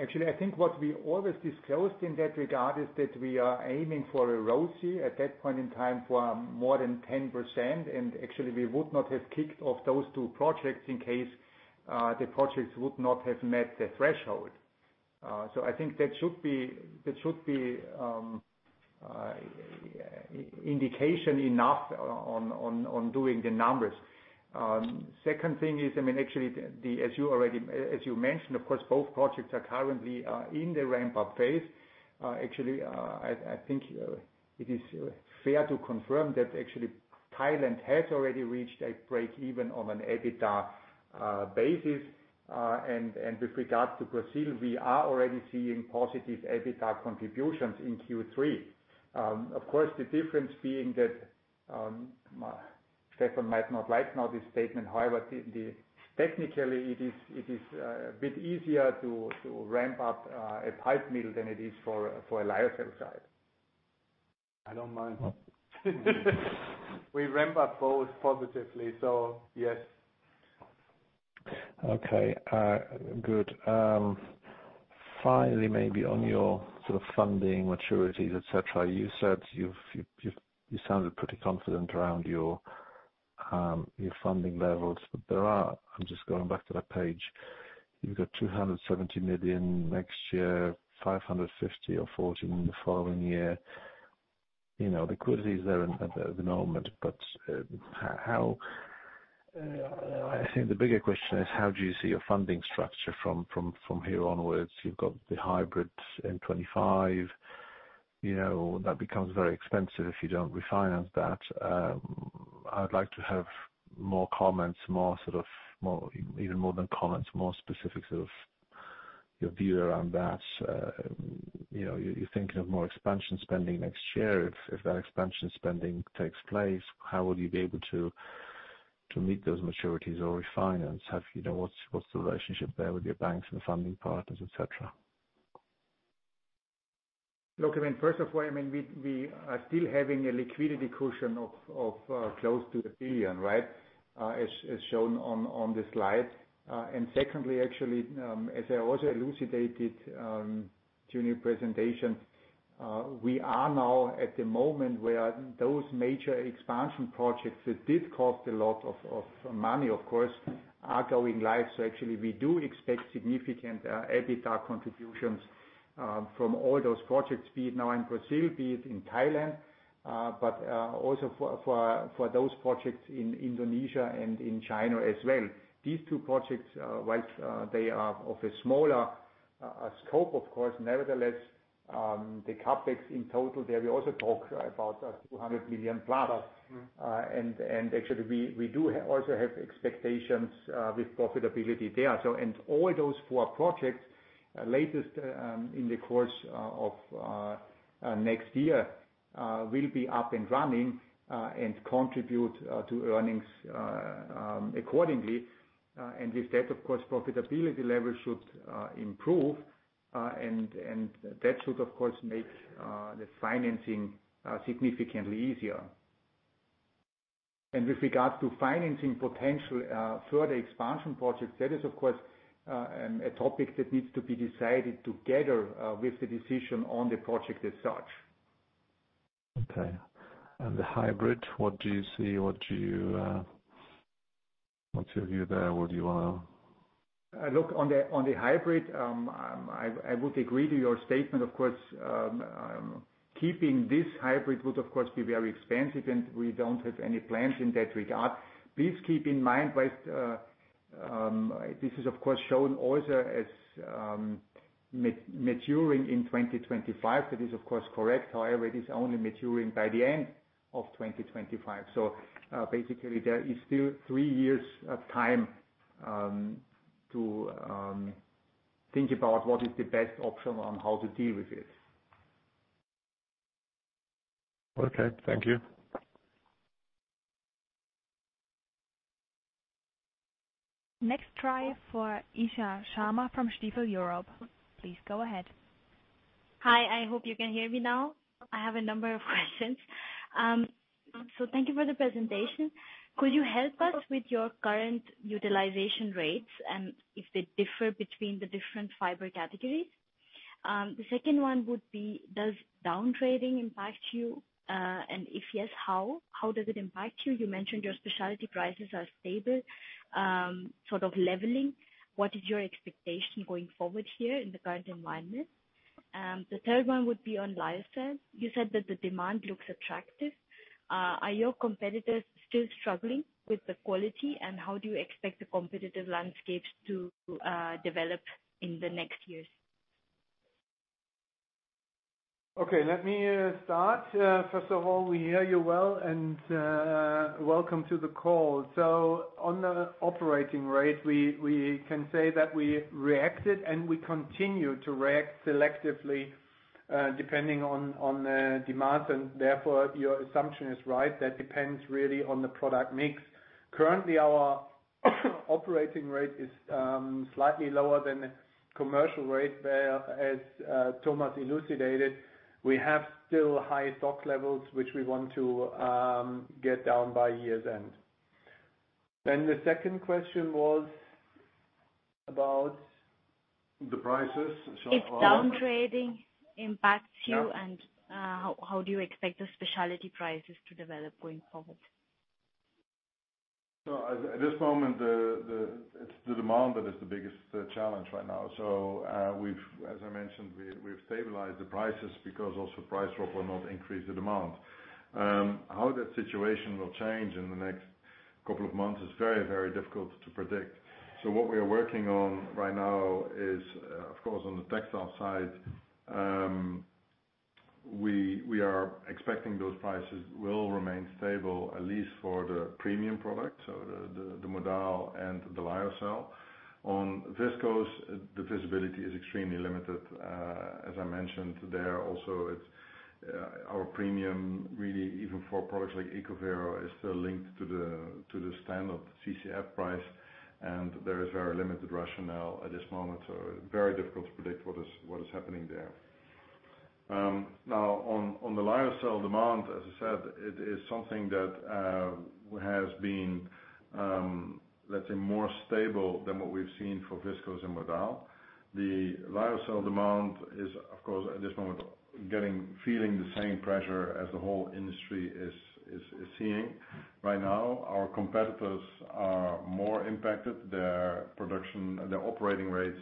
Actually, I think what we always disclosed in that regard is that we are aiming for a ROCE at that point in time for more than 10%, and actually we would not have kicked off those two projects in case the projects would not have met the threshold. I think that should be an indication enough on doing the numbers. Second thing is, I mean, actually, as you already mentioned, of course, both projects are currently in the ramp-up phase. Actually, it is fair to confirm that actually Thailand has already reached a breakeven on an EBITDA basis. And with regards to Brazil, we are already seeing positive EBITDA contributions in Q3. Of course, the difference being that, Stephan Sielaff might not like now this statement, however, technically it is a bit easier to ramp up a pulp mill than it is for a Lyocell site. I don't mind. We ramp up both positively, so yes. Finally, maybe on your sort of funding maturities, et cetera, you said you've you sounded pretty confident around your funding levels. But there are. I'm just going back to that page. You've got 270 million next year, 550 or 540 million in the following year. You know, the risk is there at the moment. I think the bigger question is, how do you see your funding structure from here onwards? You've got the hybrids in 2025. You know, that becomes very expensive if you don't refinance that. I'd like to have more comments, even more than comments, more specifics of your view around that. You know, you're thinking of more expansion spending next year. If that expansion spending takes place, how will you be able to meet those maturities or refinance? You know, what's the relationship there with your banks and funding partners, et cetera? Look, I mean, first of all, I mean, we are still having a liquidity cushion of close to 1 billion, right? As shown on the slide. Secondly, actually, as I also elucidated during your presentation, we are now at the moment where those major expansion projects that did cost a lot of money, of course, are going live. Actually, we do expect significant EBITDA contributions from all those projects, be it now in Brazil, be it in Thailand, but also for those projects in Indonesia and in China as well. These two projects, while they are of a smaller scope, of course, nevertheless, the CapEx in total there, we also talk about 200 million plus. Mm-hmm. Actually we also have expectations with profitability there. All those four projects at the latest in the course of next year will be up and running and contribute to earnings accordingly. With that, of course, profitability levels should improve, and that should of course make the financing significantly easier. With regard to financing potential further expansion projects, that is of course a topic that needs to be decided together with the decision on the project as such. Okay. The hybrid, what do you see? What's your view there? What do you wanna? Look on the hybrid. I would agree to your statement, of course. Keeping this hybrid would of course be very expensive, and we don't have any plans in that regard. Please keep in mind with this is of course shown also as maturing in 2025. That is of course correct. However, it is only maturing by the end of 2025. Basically, there is still three years of time to think about what is the best option on how to deal with it. Okay. Thank you. Next try for Isha Sharma from Stifel Europe. Please go ahead. Hi. I hope you can hear me now. I have a number of questions. Thank you for the presentation. Could you help us with your current utilization rates and if they differ between the different fiber categories? The second one would be, does downtrading impact you? And if yes, how? How does it impact you? You mentioned your specialty prices are stable, sort of leveling. What is your expectation going forward here in the current environment? The third one would be on Lyocell. You said that the demand looks attractive. Are your competitors still struggling with the quality? And how do you expect the competitive landscapes to develop in the next years? Okay. Let me start. First of all, we hear you well, and welcome to the call. On the operating rate, we can say that we reacted, and we continue to react selectively, depending on the demand. Therefore, your assumption is right. That depends really on the product mix. Currently, our operating rate is slightly lower than the commercial rate. Whereas Thomas elucidated, we have still high stock levels, which we want to get down by year's end. The second question was about... The prices. If downtrading impacts you. Yeah. How do you expect the specialty prices to develop going forward? At this moment, it's the demand that is the biggest challenge right now. As I mentioned, we've stabilized the prices because also price drop will not increase the demand. How that situation will change in the next couple of months is very difficult to predict. What we are working on right now is, of course on the textile side, we are expecting those prices will remain stable, at least for the premium product, so the modal and the lyocell. On viscose, the visibility is extremely limited. As I mentioned, there also it's our premium really even for products like ECOVERO is still linked to the standard CCF price, and there is very limited rationale at this moment. Very difficult to predict what is happening there. Now on the Lyocell demand, as I said, it is something that has been, let's say more stable than what we've seen for viscose and modal. The Lyocell demand is of course at this moment feeling the same pressure as the whole industry is seeing right now. Our competitors are more impacted. Their production, their operating rates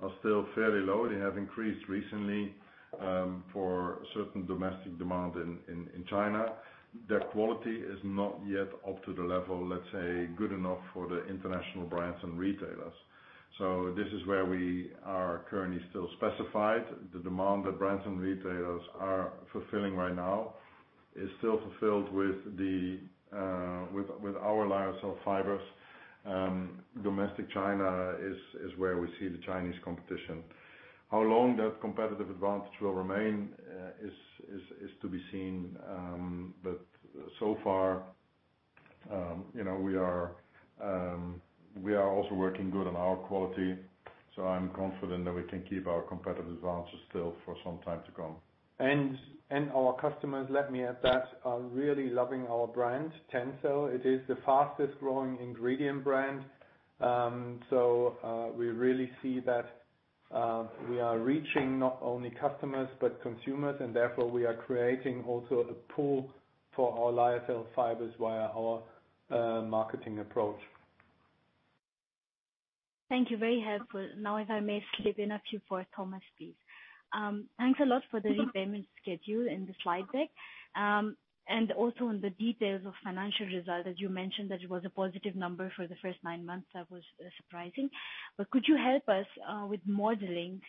are still fairly low. They have increased recently, for certain domestic demand in China. Their quality is not yet up to the level, let's say, good enough for the international brands and retailers. So this is where we are currently still specified. The demand that brands and retailers are fulfilling right now is still fulfilled with our Lyocell fibers. Domestic China is where we see the Chinese competition. How long that competitive advantage will remain is to be seen. So far, you know, we are also working good on our quality, so I'm confident that we can keep our competitive advantage still for some time to come. Our customers, let me add that, are really loving our brand, TENCEL™. It is the fastest growing ingredient brand. We really see that we are reaching not only customers but consumers. Therefore, we are creating also a pull for our lyocell fibers via our marketing approach. Thank you. Very helpful. Now if I may slip in a few for Thomas, please. Thanks a lot for the repayment schedule and the slide deck. And also on the details of financial result, as you mentioned that it was a positive number for the first nine months. That was surprising. Could you help us with modeling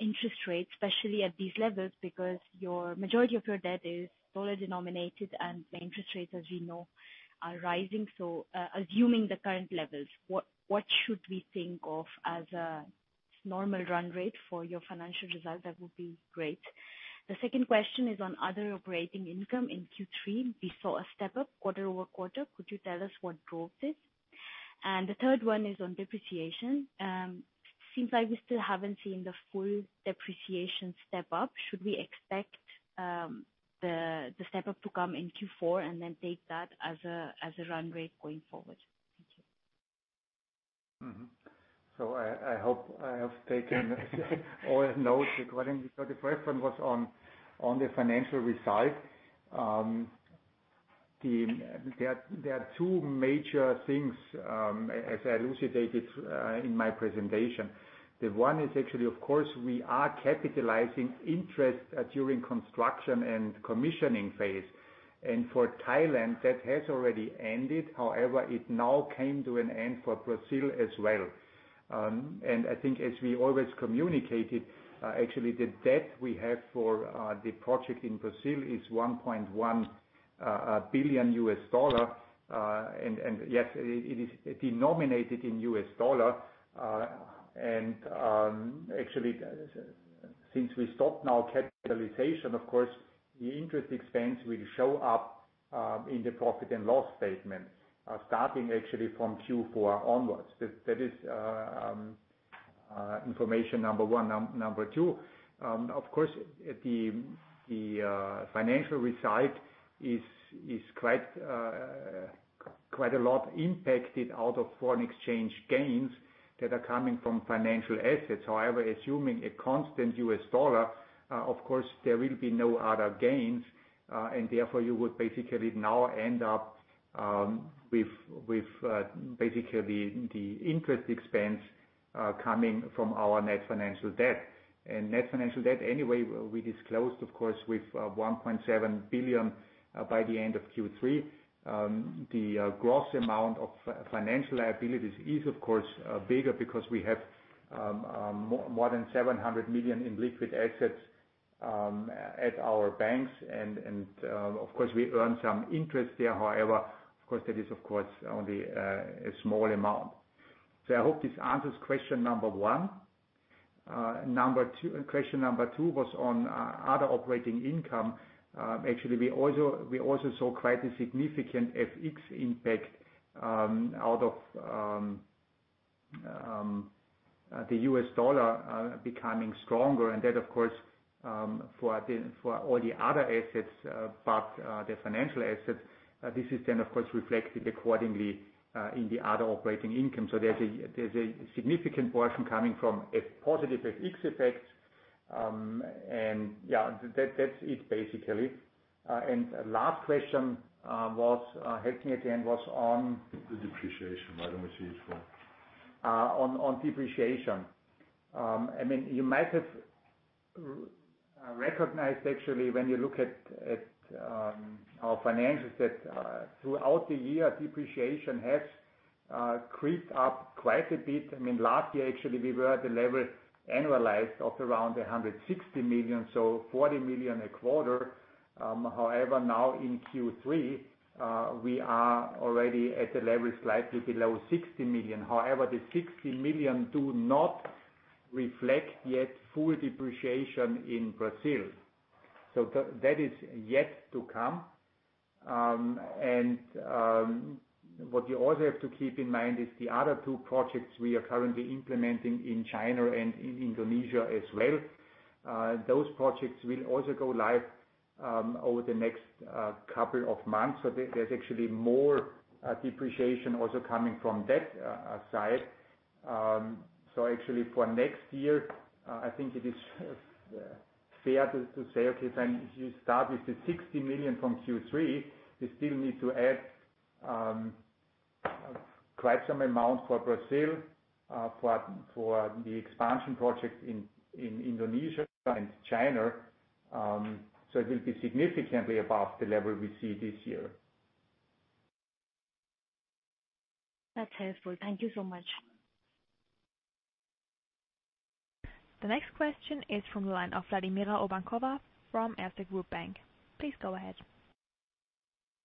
interest rates, especially at these levels? Because your majority of your debt is dollar denominated and the interest rates, as we know, are rising. Assuming the current levels, what should we think of as a normal run rate for your financial result? That would be great. The second question is on other operating income in Q3. We saw a step up quarter-over-quarter. Could you tell us what drove this? The third one is on depreciation. Seems like we still haven't seen the full depreciation step up. Should we expect the step up to come in Q4 and then take that as a run rate going forward? Thank you. I hope I have taken all notes according. The first one was on the financial result. There are two major things as I elucidated in my presentation. The one is actually of course we are capitalizing interest during construction and commissioning phase. For Thailand, that has already ended, however, it now came to an end for Brazil as well. I think as we always communicated, actually the debt we have for the project in Brazil is $1.1 billion. And yes, it is denominated in U.S. dollar. Actually since we stopped now capitalization, of course, the interest expense will show up in the profit and loss statement starting actually from Q4 onwards. That is information number one. Number two, of course, the financial result is quite a lot impacted out of foreign exchange gains that are coming from financial assets. However, assuming a constant U.S. dollar, of course there will be no other gains. And therefore you would basically now end up with basically the interest expense coming from our net financial debt. Net financial debt, anyway, we disclosed of course with 1.7 billion by the end of Q3. The gross amount of financial liabilities is of course bigger because we have more than 700 million in liquid assets at our banks and of course we earn some interest there. However, of course that is only a small amount. I hope this answers question number one. Question number two was on other operating income. Actually, we also saw quite a significant FX impact out of the U.S. dollar becoming stronger. That of course for all the other assets but the financial assets, this is then of course reflected accordingly in the other operating income. There's a significant portion coming from a positive FX effect. That's it basically. Last question was on hedging again. The depreciation, why don't we say it for. On depreciation. I mean, you might have recognized actually, when you look at our financials that throughout the year, depreciation has crept up quite a bit. I mean, last year actually, we were at the level annualized of around 160 million, so 40 million a quarter. However, now in Q3, we are already at a level slightly below 60 million. However, the 60 million do not reflect yet full depreciation in Brazil. That is yet to come. What you also have to keep in mind is the other two projects we are currently implementing in China and in Indonesia as well. Those projects will also go live over the next couple of months. There's actually more depreciation also coming from that side. Actually for next year, I think it is fair to say, okay, then if you start with the 60 million from Q3, you still need to add quite some amount for Brazil, for the expansion project in Indonesia and China. It will be significantly above the level we see this year. That's helpful. Thank you so much. The next question is from the line of Vladimira Urbankova from Erste Group Bank. Please go ahead.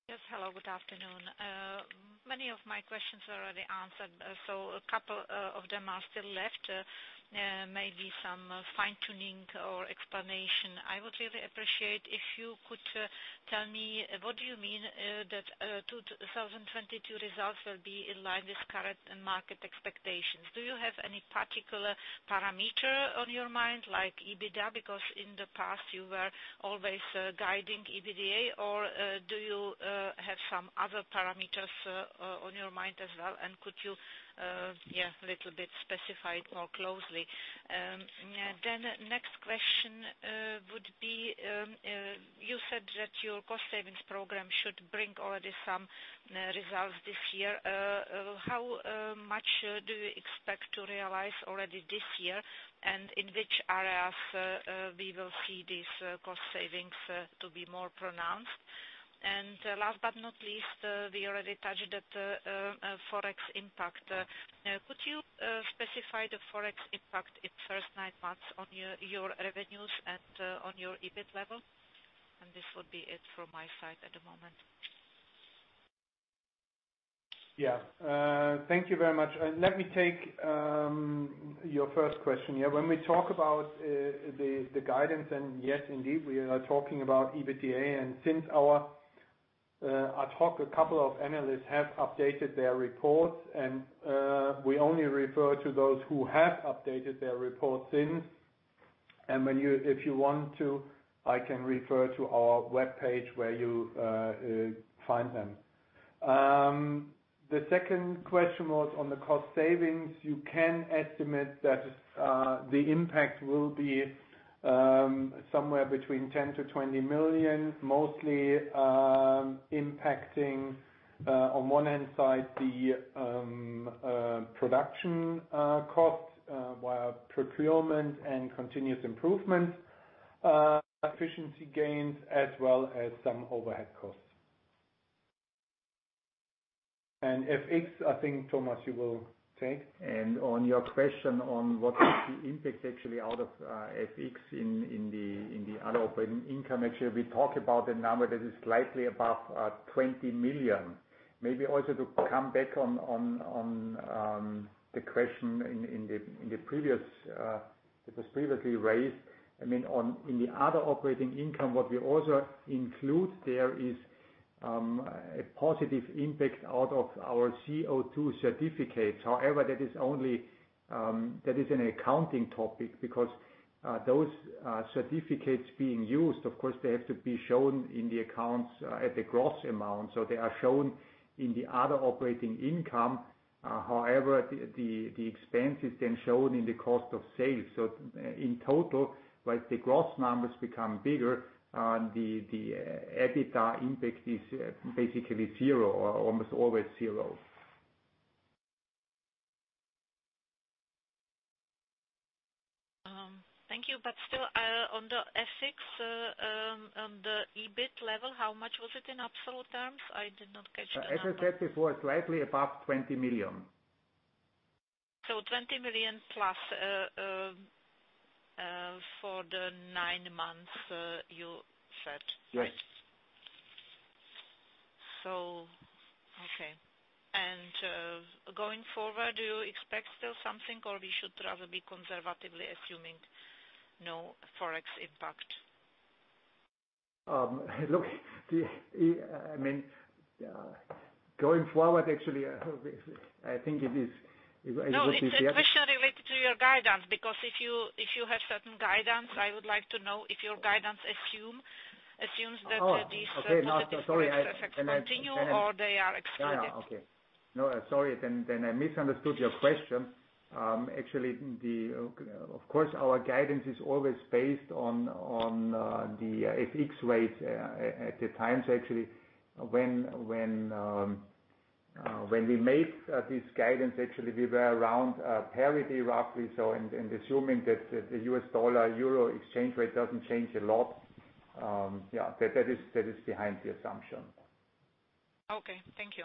Yes. Hello, good afternoon. Many of my questions are already answered, so a couple of them are still left. Maybe some fine-tuning or explanation. I would really appreciate if you could tell me what do you mean that 2022 results will be in line with current market expectations. Do you have any particular parameter on your mind like EBITDA? Because in the past you were always guiding EBITDA or do you have some other parameters on your mind as well? Could you yeah little bit specify more closely? Next question would be you said that your cost savings program should bring already some results this year. How much do you expect to realize already this year, and in which areas we will see these cost savings to be more pronounced? Last but not least, we already touched that forex impact. Could you specify the forex impact in first nine months on your revenues and on your EBIT level? This would be it from my side at the moment. Yeah. Thank you very much. Let me take your first question. Yeah, when we talk about the guidance and yes, indeed we are talking about EBITDA, and since our talk, a couple of analysts have updated their reports and we only refer to those who have updated their reports since. When you, if you want to, I can refer to our webpage where you find them. The second question was on the cost savings. You can estimate that the impact will be somewhere between 10-20 million, mostly impacting on one hand side the production cost via procurement and continuous improvement efficiency gains, as well as some overhead costs. FX, I think, Thomas, you will take. On your question on what is the impact actually out of FX in the other operating income, actually, we talk about the number that is slightly above 20 million. Maybe also to come back on the question in the previous that was previously raised. I mean, in the other operating income, what we also include there is a positive impact out of our CO2 certificates. However, that is only an accounting topic because those certificates being used, of course, they have to be shown in the accounts at the gross amount. So they are shown in the other operating income, however, the expense is then shown in the cost of sales. In total, like the gross numbers become bigger, the EBITDA impact is basically zero or almost always zero. Still, on the FX, on the EBIT level, how much was it in absolute terms? I did not catch the number. As I said before, slightly above 20 million. 20 million+ for the nine months, you said? Yes. Okay. Going forward, do you expect still something, or we should rather be conservatively assuming no Forex impact? Look, I mean, going forward, actually, I hope it's, I think it is, it would be fair. No, it's a question related to your guidance, because if you have certain guidance, I would like to know if your guidance assumes that. Oh, okay. These great effects continue or they are excluded. Yeah, yeah. Okay. No, sorry. I misunderstood your question. Actually, of course, our guidance is always based on the FX rate at the times actually when we make this guidance, actually, we were around parity roughly. Assuming that the U.S. dollar/euro exchange rate doesn't change a lot, that is behind the assumption. Okay, thank you.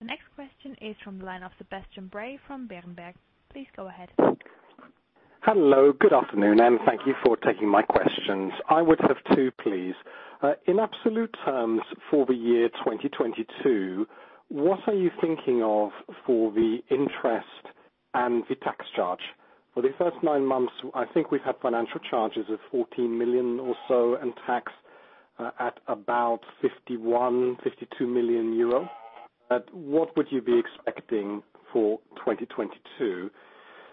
The next question is from the line of Sebastian Bray from Berenberg. Please go ahead. Hello, good afternoon, and thank you for taking my questions. I would have two, please. In absolute terms for the year 2022, what are you thinking of for the interest and the tax charge? For the first nine months, I think we've had financial charges of 14 million or so and tax at about 51-52 million euro. What would you be expecting for 2022?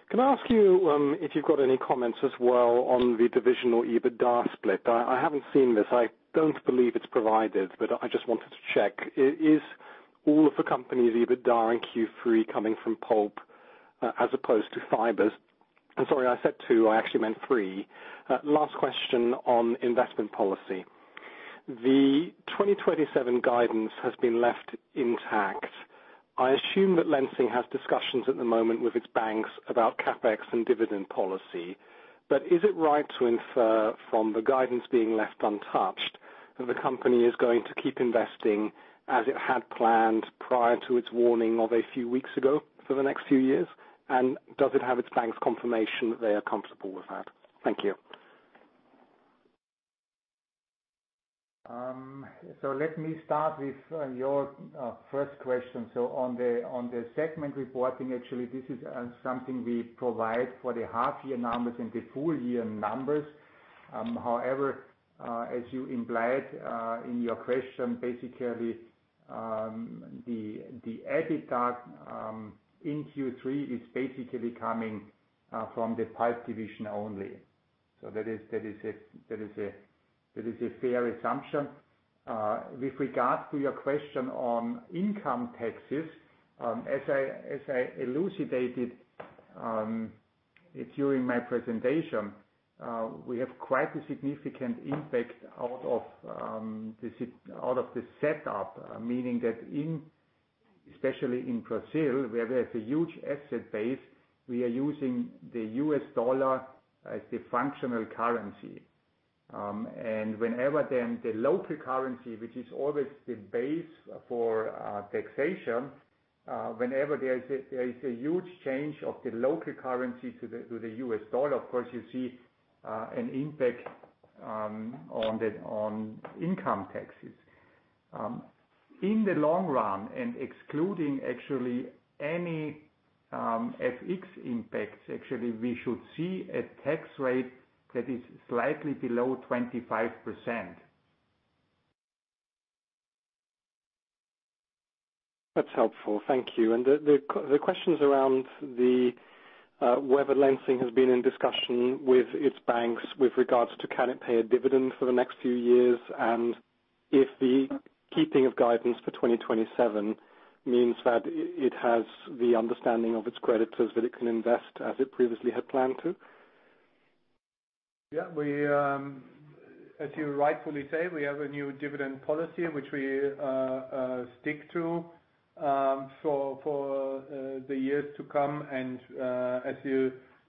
Can I ask you if you've got any comments as well on the divisional EBITDA split? I haven't seen this. I don't believe it's provided, but I just wanted to check. Is all of the company's EBITDA in Q3 coming from pulp as opposed to fibers? Sorry, I said two, I actually meant three. Last question on investment policy. The 2027 guidance has been left intact. I assume that Lenzing has discussions at the moment with its banks about CapEx and dividend policy. Is it right to infer from the guidance being left untouched that the company is going to keep investing as it had planned prior to its warning of a few weeks ago for the next few years? Does it have its banks' confirmation that they are comfortable with that? Thank you. Let me start with your first question. On the segment reporting, actually, this is something we provide for the half year numbers and the full year numbers. However, as you implied in your question, basically, the EBITDA in Q3 is basically coming from the Pulp Division only. That is a fair assumption. With regards to your question on income taxes, as I elucidated during my presentation, we have quite a significant impact out of the setup. Meaning that especially in Brazil, where there's a huge asset base, we are using the U.S. dollar as the functional currency. Whenever then the local currency, which is always the base for taxation, whenever there is a huge change of the local currency to the U.S. dollar, of course, you see an impact on income taxes. In the long run, excluding actually any FX impacts, actually, we should see a tax rate that is slightly below 25%. That's helpful. Thank you. The question's around whether Lenzing has been in discussion with its banks with regards to can it pay a dividend for the next few years, and if the keeping of guidance for 2027 means that it has the understanding of its creditors that it can invest as it previously had planned to. Yeah. We, as you rightfully say, we have a new dividend policy which we stick to, for the years to come.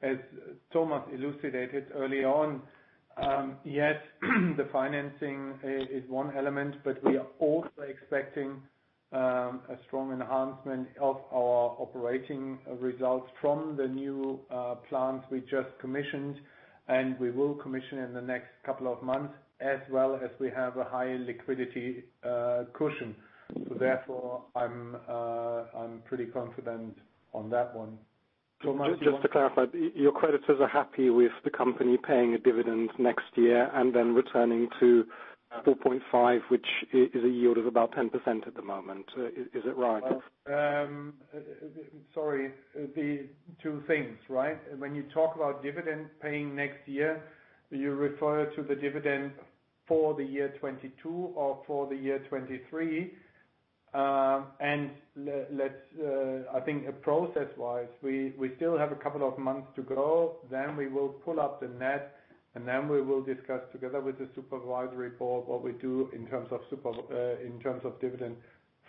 As Thomas elucidated early on, yes, the financing is one element, but we are also expecting a strong enhancement of our operating results from the new plant we just commissioned, and we will commission in the next couple of months, as well as we have a high liquidity cushion. Therefore I'm pretty confident on that one. Just to clarify, your creditors are happy with the company paying a dividend next year and then returning to 4.5, which is a yield of about 10% at the moment. Is that right? Sorry. The two things, right? When you talk about dividend paying next year, you refer to the dividend for the year 2022 or for the year 2023. Let's, I think process-wise, we still have a couple of months to go, then we will pull up the net, and then we will discuss together with the Supervisory Board what we do in terms of dividend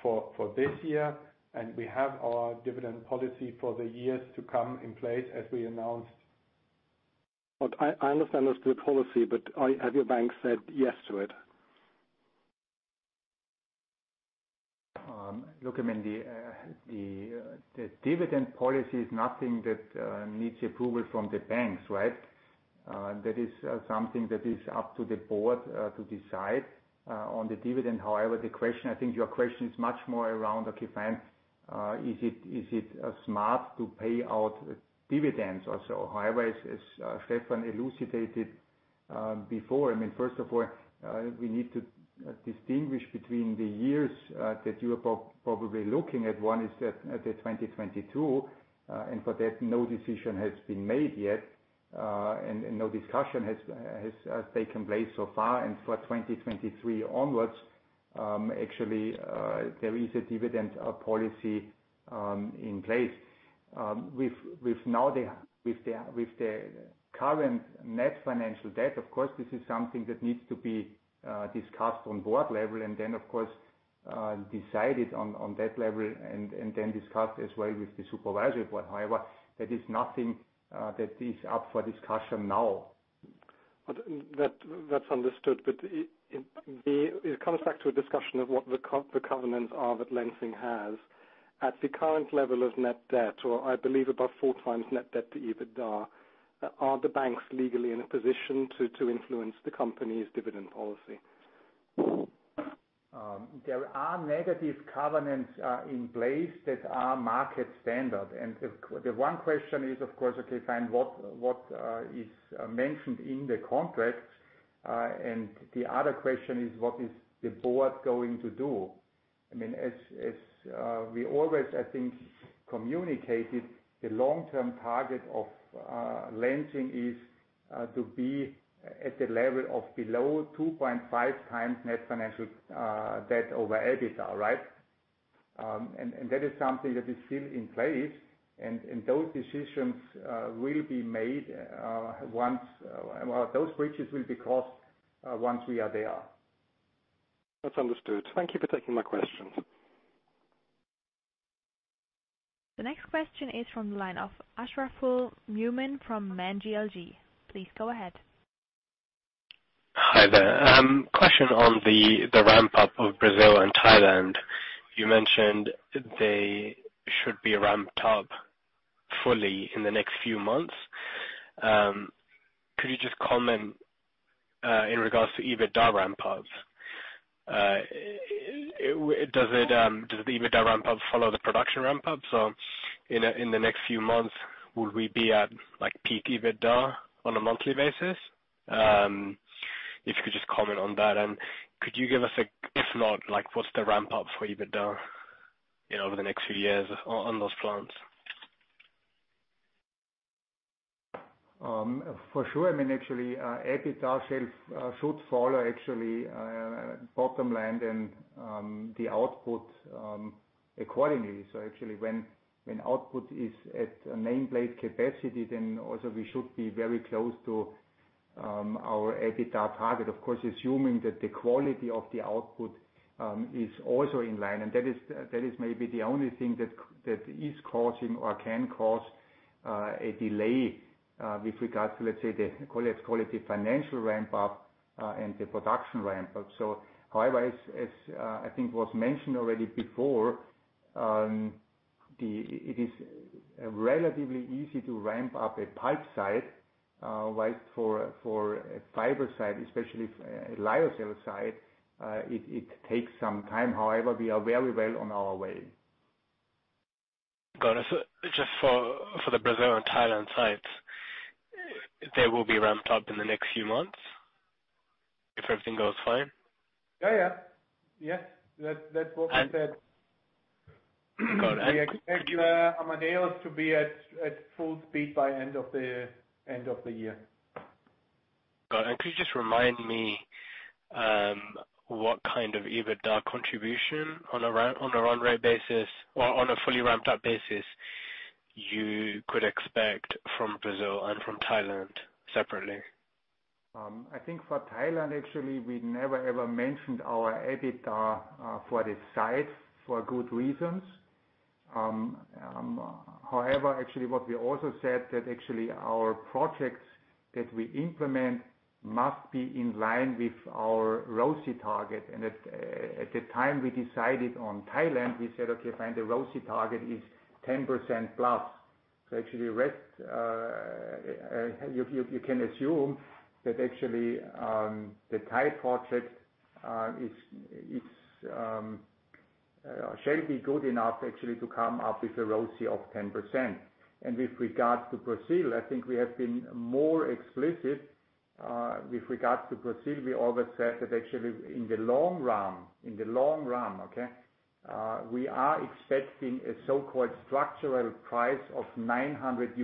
for this year, and we have our dividend policy for the years to come in place as we announced. I understand there's good policy, but have your bank said yes to it? Look, I mean, the dividend policy is nothing that needs approval from the banks, right? That is something that is up to the board to decide on the dividend. However, the question, I think your question is much more around, okay, fine, is it smart to pay out dividends also? However, as Stephan elucidated before, I mean, first of all, we need to distinguish between the years that you are probably looking at. One is at 2022, and for that, no decision has been made yet, and no discussion has taken place so far. For 2023 onwards, actually, there is a dividend policy in place. With the current net financial debt, of course, this is something that needs to be discussed on board level and then of course, decided on that level and then discussed as well with the supervisory board. However, that is nothing that is up for discussion now. That, that's understood. It comes back to a discussion of what the covenants are that Lenzing has. At the current level of net debt, or I believe about 4x net debt to EBITDA, are the banks legally in a position to influence the company's dividend policy? There are negative covenants in place that are market standard. The one question is, of course, okay, fine, what is mentioned in the contract. The other question is, what is the board going to do? I mean, as we always, I think, communicated the long-term target of Lenzing is to be at the level of below 2.5 times net financial debt over EBITDA, right? That is something that is still in place, and those decisions will be made once, well, those bridges will be crossed once we are there. That's understood. Thank you for taking my questions. The next question is from the line of Ashraful Mumin from Man GLG. Please go ahead. Hi there. Question on the ramp up of Brazil and Thailand. You mentioned they should be ramped up fully in the next few months. Could you just comment in regards to EBITDA ramp ups? Does the EBITDA ramp up follow the production ramp up? In the next few months, will we be at, like, peak EBITDA on a monthly basis? If you could just comment on that. Could you give us, if not, like what's the ramp up for EBITDA, you know, over the next few years on those plants? For sure. I mean, actually, EBITDA sales should follow actually, bottom line and the output accordingly. Actually when output is at nameplate capacity, then also we should be very close to our EBITDA target. Of course, assuming that the quality of the output is also in line. That is maybe the only thing that is causing or can cause a delay with regards to, let's say, the quality financial ramp up and the production ramp up. However, as I think was mentioned already before, it is relatively easy to ramp up a pulp side, right? For a fiber side, especially for a Lyocell side, it takes some time. However, we are very well on our way. Got it. Just for the Brazil and Thailand sites, they will be ramped up in the next few months if everything goes fine? Yeah, yeah. Yes. That, that's what we said. Got it. We expect Amadeus to be at full speed by end of the year. Got it. Could you just remind me, what kind of EBITDA contribution on a run rate basis or on a fully ramped up basis you could expect from Brazil and from Thailand separately? I think for Thailand, actually, we never ever mentioned our EBITDA for this site for good reasons. However, actually what we also said that actually our projects that we implement must be in line with our ROCE target. At the time we decided on Thailand, we said, "Okay, fine, the ROCE target is 10%+." Actually you can assume that actually the Thai project is shall be good enough actually to come up with a ROCE of 10%. With regards to Brazil, I think we have been more explicit with regards to Brazil. We always said that actually in the long run, okay, we are expecting a so-called structural price of $900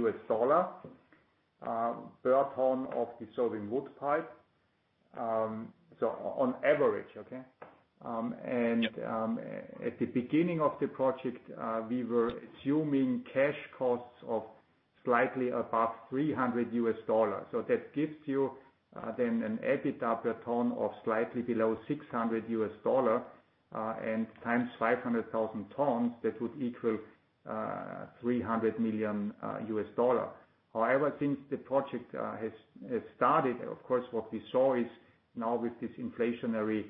per ton of dissolving wood pulp, so on average, okay. Yeah. At the beginning of the project, we were assuming cash costs of slightly above $300. That gives you then an EBITDA per ton of slightly below $600, and times 500,000 tons that would equal $300 million. However, since the project has started, of course, what we saw is now with this inflationary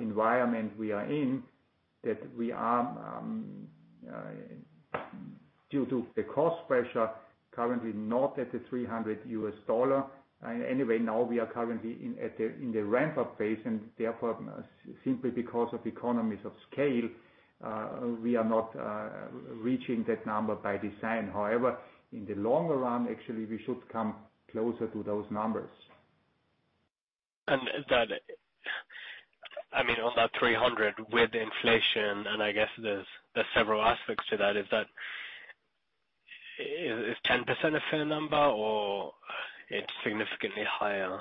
environment we are in, that we are due to the cost pressure, currently not at the $300. Anyway, now we are currently in the ramp-up phase and therefore simply because of economies of scale, we are not reaching that number by design. However, in the long run, actually we should come closer to those numbers. I mean, on that 300 with inflation, and I guess there's several aspects to that, is that 10% a fair number or it's significantly higher?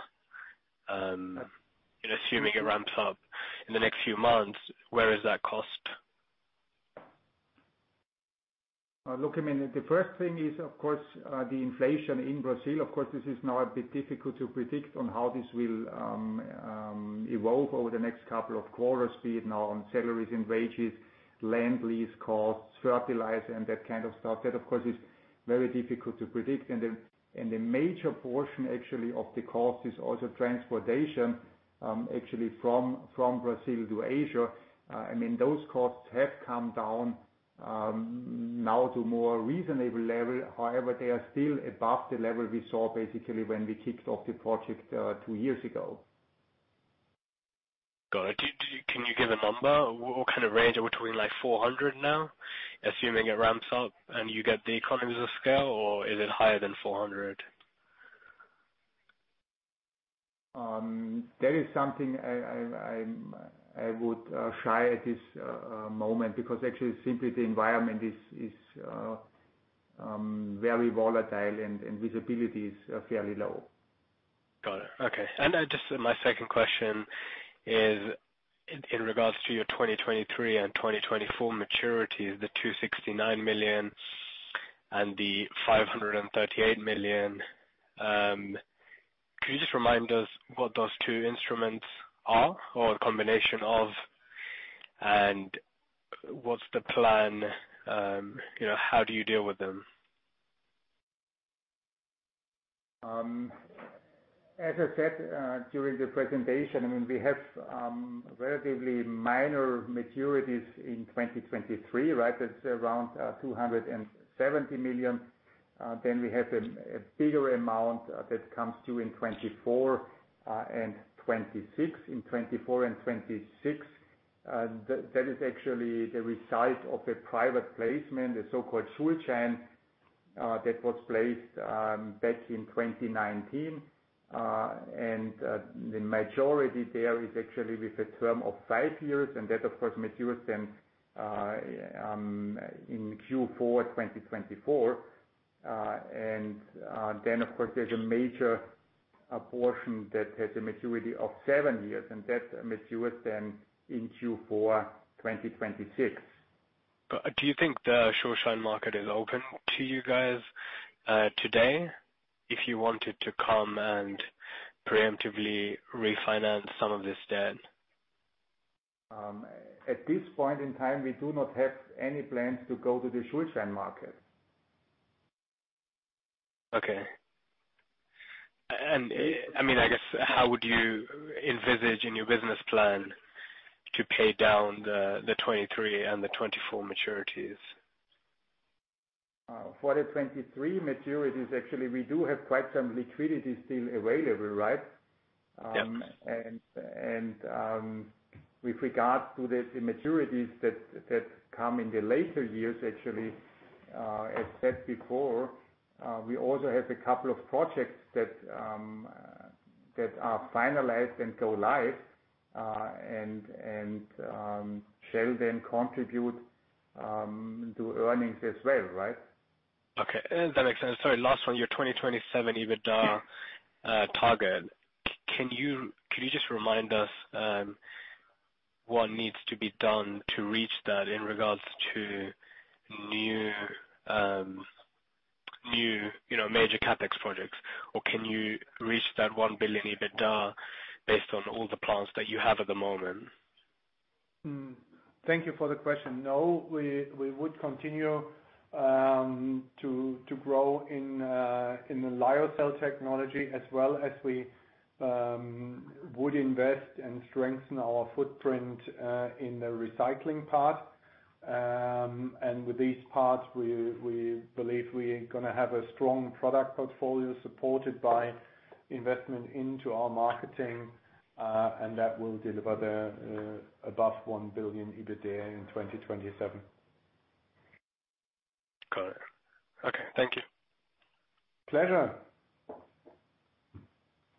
Assuming it ramps up in the next few months, where is that cost? Look, I mean, the first thing is, of course, the inflation in Brazil. Of course, this is now a bit difficult to predict on how this will evolve over the next couple of quarters, be it now on salaries and wages, land lease costs, fertilizer, and that kind of stuff. That, of course, is very difficult to predict. The major portion actually of the cost is also transportation, actually from Brazil to Asia. I mean, those costs have come down now to more reasonable level. However, they are still above the level we saw basically when we kicked off the project two years ago. Got it. Do you, can you give a number? What kind of range are we talking, like 400 now, assuming it ramps up and you get the economies of scale? Or is it higher than 400? That is something I would shy at this moment because actually simply the environment is very volatile and visibility is fairly low. Got it. Okay. Just my second question is in regards to your 2023 and 2024 maturities, the 269 million and the 538 million, could you just remind us what those two instruments are or a combination of, and what's the plan? You know, how do you deal with them? As I said during the presentation, I mean, we have relatively minor maturities in 2023, right? That's around 270 million. We have a bigger amount that comes due in 2024 and 2026. That is actually the result of the private placement, the so-called Schuldschein, that was placed back in 2019. The majority there is actually with a term of five years, and that of course matures then in Q4 2024. Of course, there's a major portion that has a maturity of seven years, and that matures then in Q4 2026. Do you think the Schuldschein market is open to you guys, today, if you wanted to come and preemptively refinance some of this debt? At this point in time, we do not have any plans to go to the Schuldschein market. Okay. I mean, I guess, how would you envisage in your business plan to pay down the 2023 and the 2024 maturities? For the 2023 maturities, actually we do have quite some liquidity still available, right? Yep. With regards to the maturities that come in the later years, actually, as said before, we also have a couple of projects that are finalized and go live and shall then contribute to earnings as well, right? Okay. That makes sense. Sorry, last one. Your 2027 EBITDA target. Can you just remind us what needs to be done to reach that in regards to new you know major CapEx projects? Or can you reach that 1 billion EBITDA based on all the plans that you have at the moment? Thank you for the question. No, we would continue to grow in the Lyocell technology as well as we would invest and strengthen our footprint in the recycling part. With these parts, we believe we are gonna have a strong product portfolio supported by investment into our marketing, and that will deliver the above 1 billion EBITDA in 2027. Got it. Okay, thank you. Pleasure.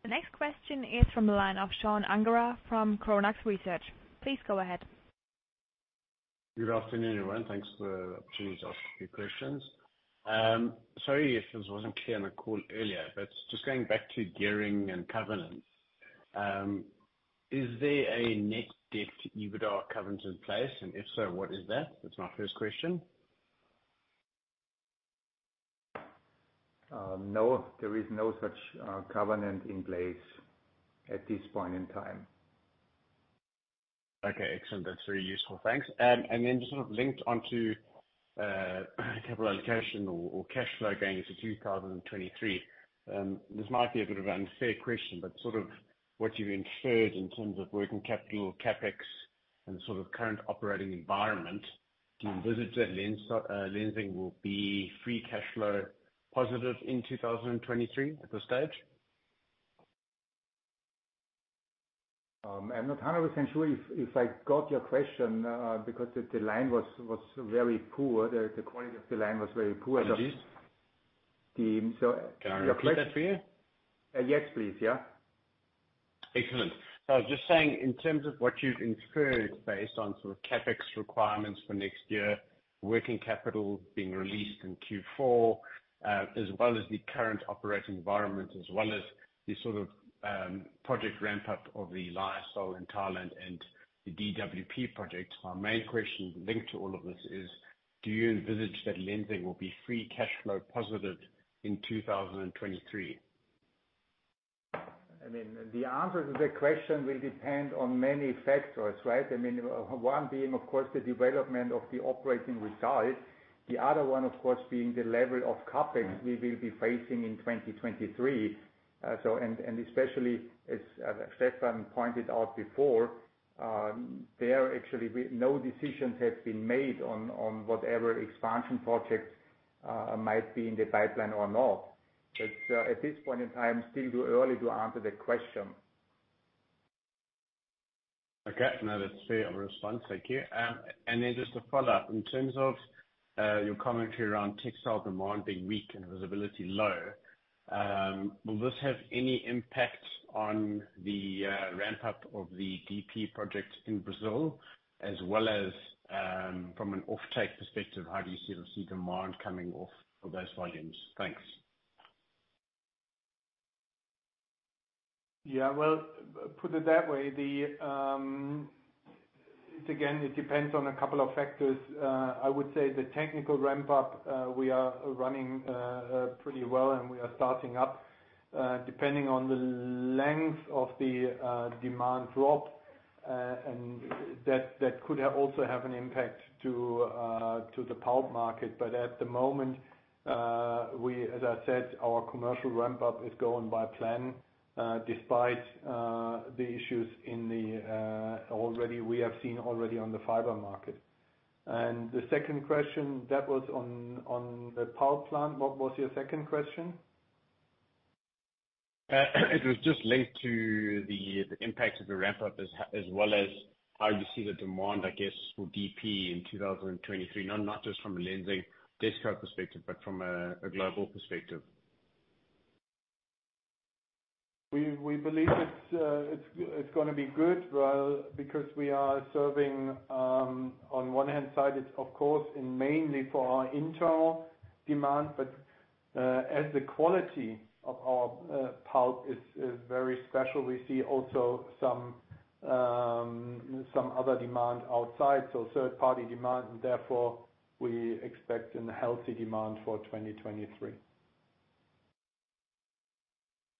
The next question is from the line of Sean Ungerer from Chronux Research. Please go ahead. Good afternoon, everyone. Thanks for the opportunity to ask a few questions. Sorry if this wasn't clear on the call earlier, but just going back to gearing and covenants, is there a net debt to EBITDA covenant in place? If so, what is that? That's my first question. No, there is no such covenant in place at this point in time. Okay, excellent. That's very useful. Thanks. Then just sort of linked onto capital allocation or cash flow guidance for 2023, this might be a bit of an unfair question, but sort of what you've incurred in terms of working capital, CapEx, and sort of current operating environment, do you envisage that Lenzing will be free cash flow positive in 2023 at this stage? I'm not 100% sure if I got your question, because the line was very poor. The quality of the line was very poor. Can I repeat that for you? Yes, please. Yeah. Excellent. I was just saying in terms of what you've incurred based on sort of CapEx requirements for next year, working capital being released in Q4, as well as the current operating environment, as well as the sort of project ramp up of the Lyocell in Thailand and the DWP project. My main question linked to all of this is, do you envisage that Lenzing will be free cash flow positive in 2023? I mean, the answer to that question will depend on many factors, right? I mean, one being, of course, the development of the operating results. The other one, of course, being the level of CapEx we will be facing in 2023. So, and especially as Stefan pointed out before, there actually no decisions have been made on whatever expansion projects might be in the pipeline or not. But at this point in time, still too early to answer the question. Okay. No, that's fair response. Thank you. Just a follow-up. In terms of your commentary around textile demand being weak and visibility low, will this have any impact on the ramp up of the DWP project in Brazil as well as from an offtake perspective, how do you see the demand coming off for those volumes? Thanks. Well, put it that way. It again depends on a couple of factors. I would say the technical ramp up, we are running pretty well, and we are starting up depending on the length of the demand drop, and that could also have an impact to the pulp market. But at the moment, we, as I said, our commercial ramp up is going by plan despite the issues that we have already seen on the fiber market. The second question, that was on the pulp plant. What was your second question? It was just linked to the impact of the ramp up as well as how you see the demand, I guess, for DP in 2023. Not just from a Lenzing desktop perspective, but from a global perspective. We believe it's gonna be good, well, because we are serving on one hand side, it's of course and mainly for our internal demand. As the quality of our pulp is very special, we see also some other demand outside, so third-party demand. Therefore, we expect a healthy demand for 2023.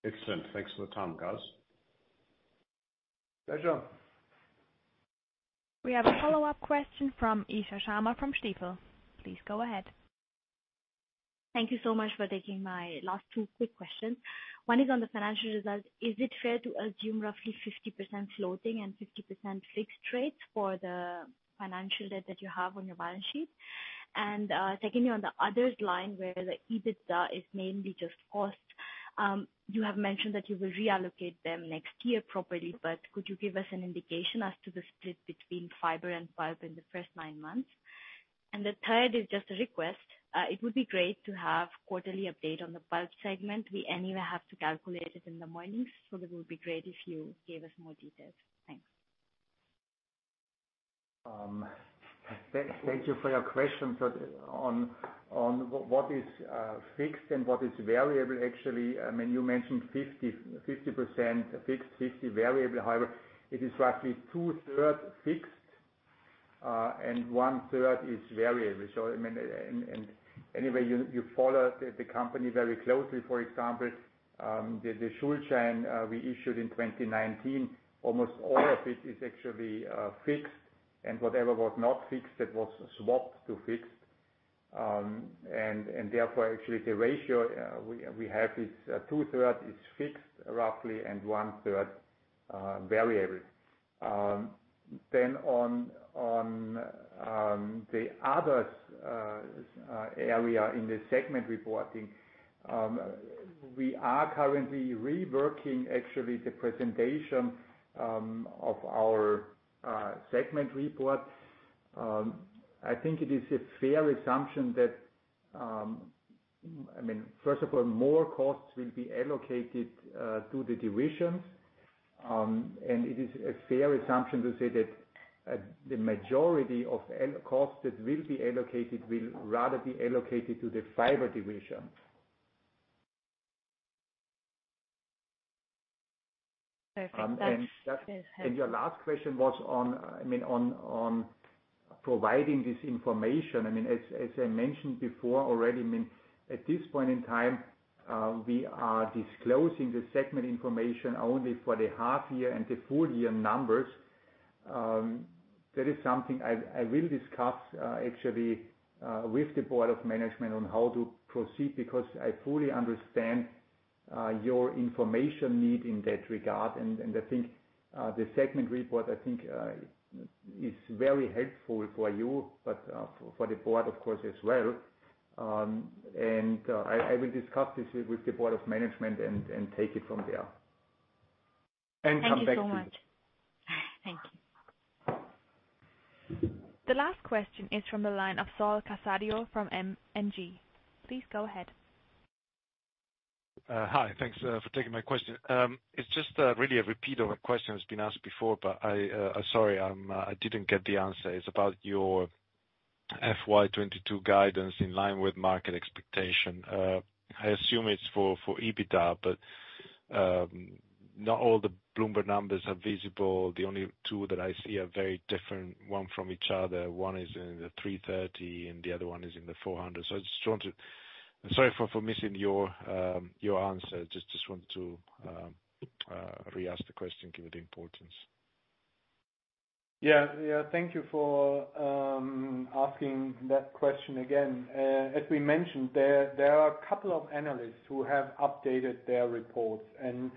Excellent. Thanks for the time, guys. Pleasure. We have a follow-up question from Isha Sharma from Stifel. Please go ahead. Thank you so much for taking my last two quick questions. One is on the financial results. Is it fair to assume roughly 50% floating and 50% fixed rates for the financial debt that you have on your balance sheet? Secondly on the others line, where the EBITDA is mainly just cost, you have mentioned that you will reallocate them next year properly, but could you give us an indication as to the split between fiber and pulp in the first nine months? The third is just a request. It would be great to have quarterly update on the pulp segment. We anyway have to calculate it in the mornings, so it would be great if you gave us more details. Thanks. Thank you for your question. On what is fixed and what is variable, actually, I mean, you mentioned 50-50% fixed, 50% variable. However, it is roughly 2/3 fixed and 1/3 variable. I mean, anyway, you follow the company very closely. For example, the Schuldschein we issued in 2019, almost all of it is actually fixed and whatever was not fixed it was swapped to fixed. Therefore actually the ratio we have is 2/3 fixed roughly and 1/3 variable. On the other area in the segment reporting, we are currently reworking actually the presentation of our segment report. I think it is a fair assumption that, I mean, first of all, more costs will be allocated to the divisions. It is a fair assumption to say that the majority of costs that will be allocated will rather be allocated to the fiber division. Perfect. That's helpful. Your last question was on providing this information. I mean, as I mentioned before already, I mean, at this point in time, we are disclosing the segment information only for the half year and the full year numbers. That is something I will discuss actually with the board of management on how to proceed, because I fully understand your information need in that regard. I think the segment report is very helpful for you, but for the board, of course, as well. I will discuss this with the board of management and take it from there. Come back to you. Thank you so much. Thank you. The last question is from the line of Saul Casadio from M&G. Please go ahead. Hi. Thanks for taking my question. It's just really a repeat of a question that's been asked before, but, sorry, I didn't get the answer. It's about your FY 2022 guidance in line with market expectation. I assume it's for EBITDA, but not all the Bloomberg numbers are visible. The only two that I see are very different one from each other. One is in the 330, and the other one is in the 400. I just wanted to. Sorry for missing your answer. Just wanted to re-ask the question, given the importance. Thank you for asking that question again. As we mentioned, there are a couple of analysts who have updated their reports, and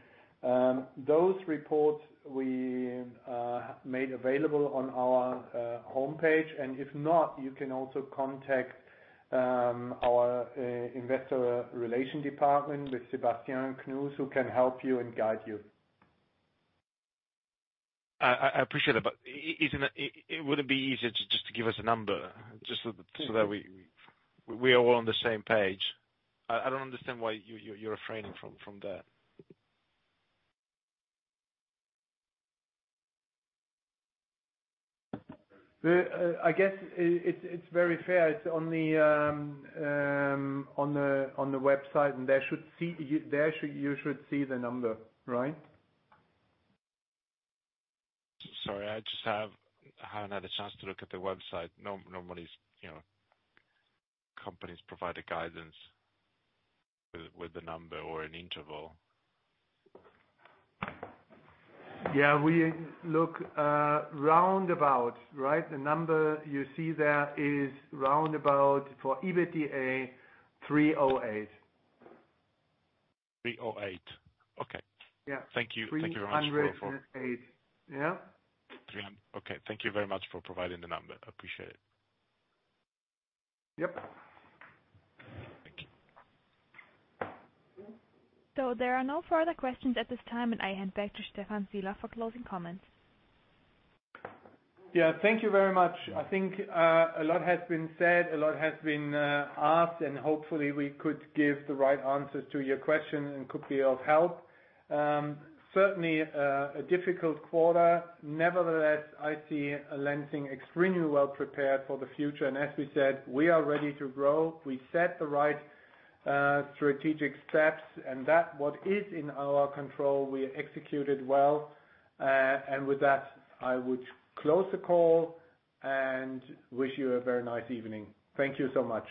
those reports we made available on our homepage. If not, you can also contact our Investor Relations department with Sébastien Knus, who can help you and guide you. I appreciate it, but isn't it? It wouldn't be easier to just give us a number just so that we are all on the same page. I don't understand why you're refraining from that. Well, I guess it's very fair. It's on the website, and there you should see the number, right? Sorry, I just haven't had a chance to look at the website. Normally, you know, companies provide a guidance with a number or an interval. Yeah, we look roundabout, right? The number you see there is roundabout for EBITDA 308. 308. Okay. Yeah. Thank you very much. 308. Yeah. Okay. Thank you very much for providing the number. I appreciate it. Yep. Thank you. There are no further questions at this time, and I hand back to Stephan Sielaff for closing comments. Yeah. Thank you very much. I think a lot has been said and asked, and hopefully we could give the right answers to your questions and could be of help. Certainly, a difficult quarter. Nevertheless, I see Lenzing extremely well prepared for the future, and as we said, we are ready to grow. We set the right strategic steps and that what is in our control, we executed well. With that, I would close the call and wish you a very nice evening. Thank you so much.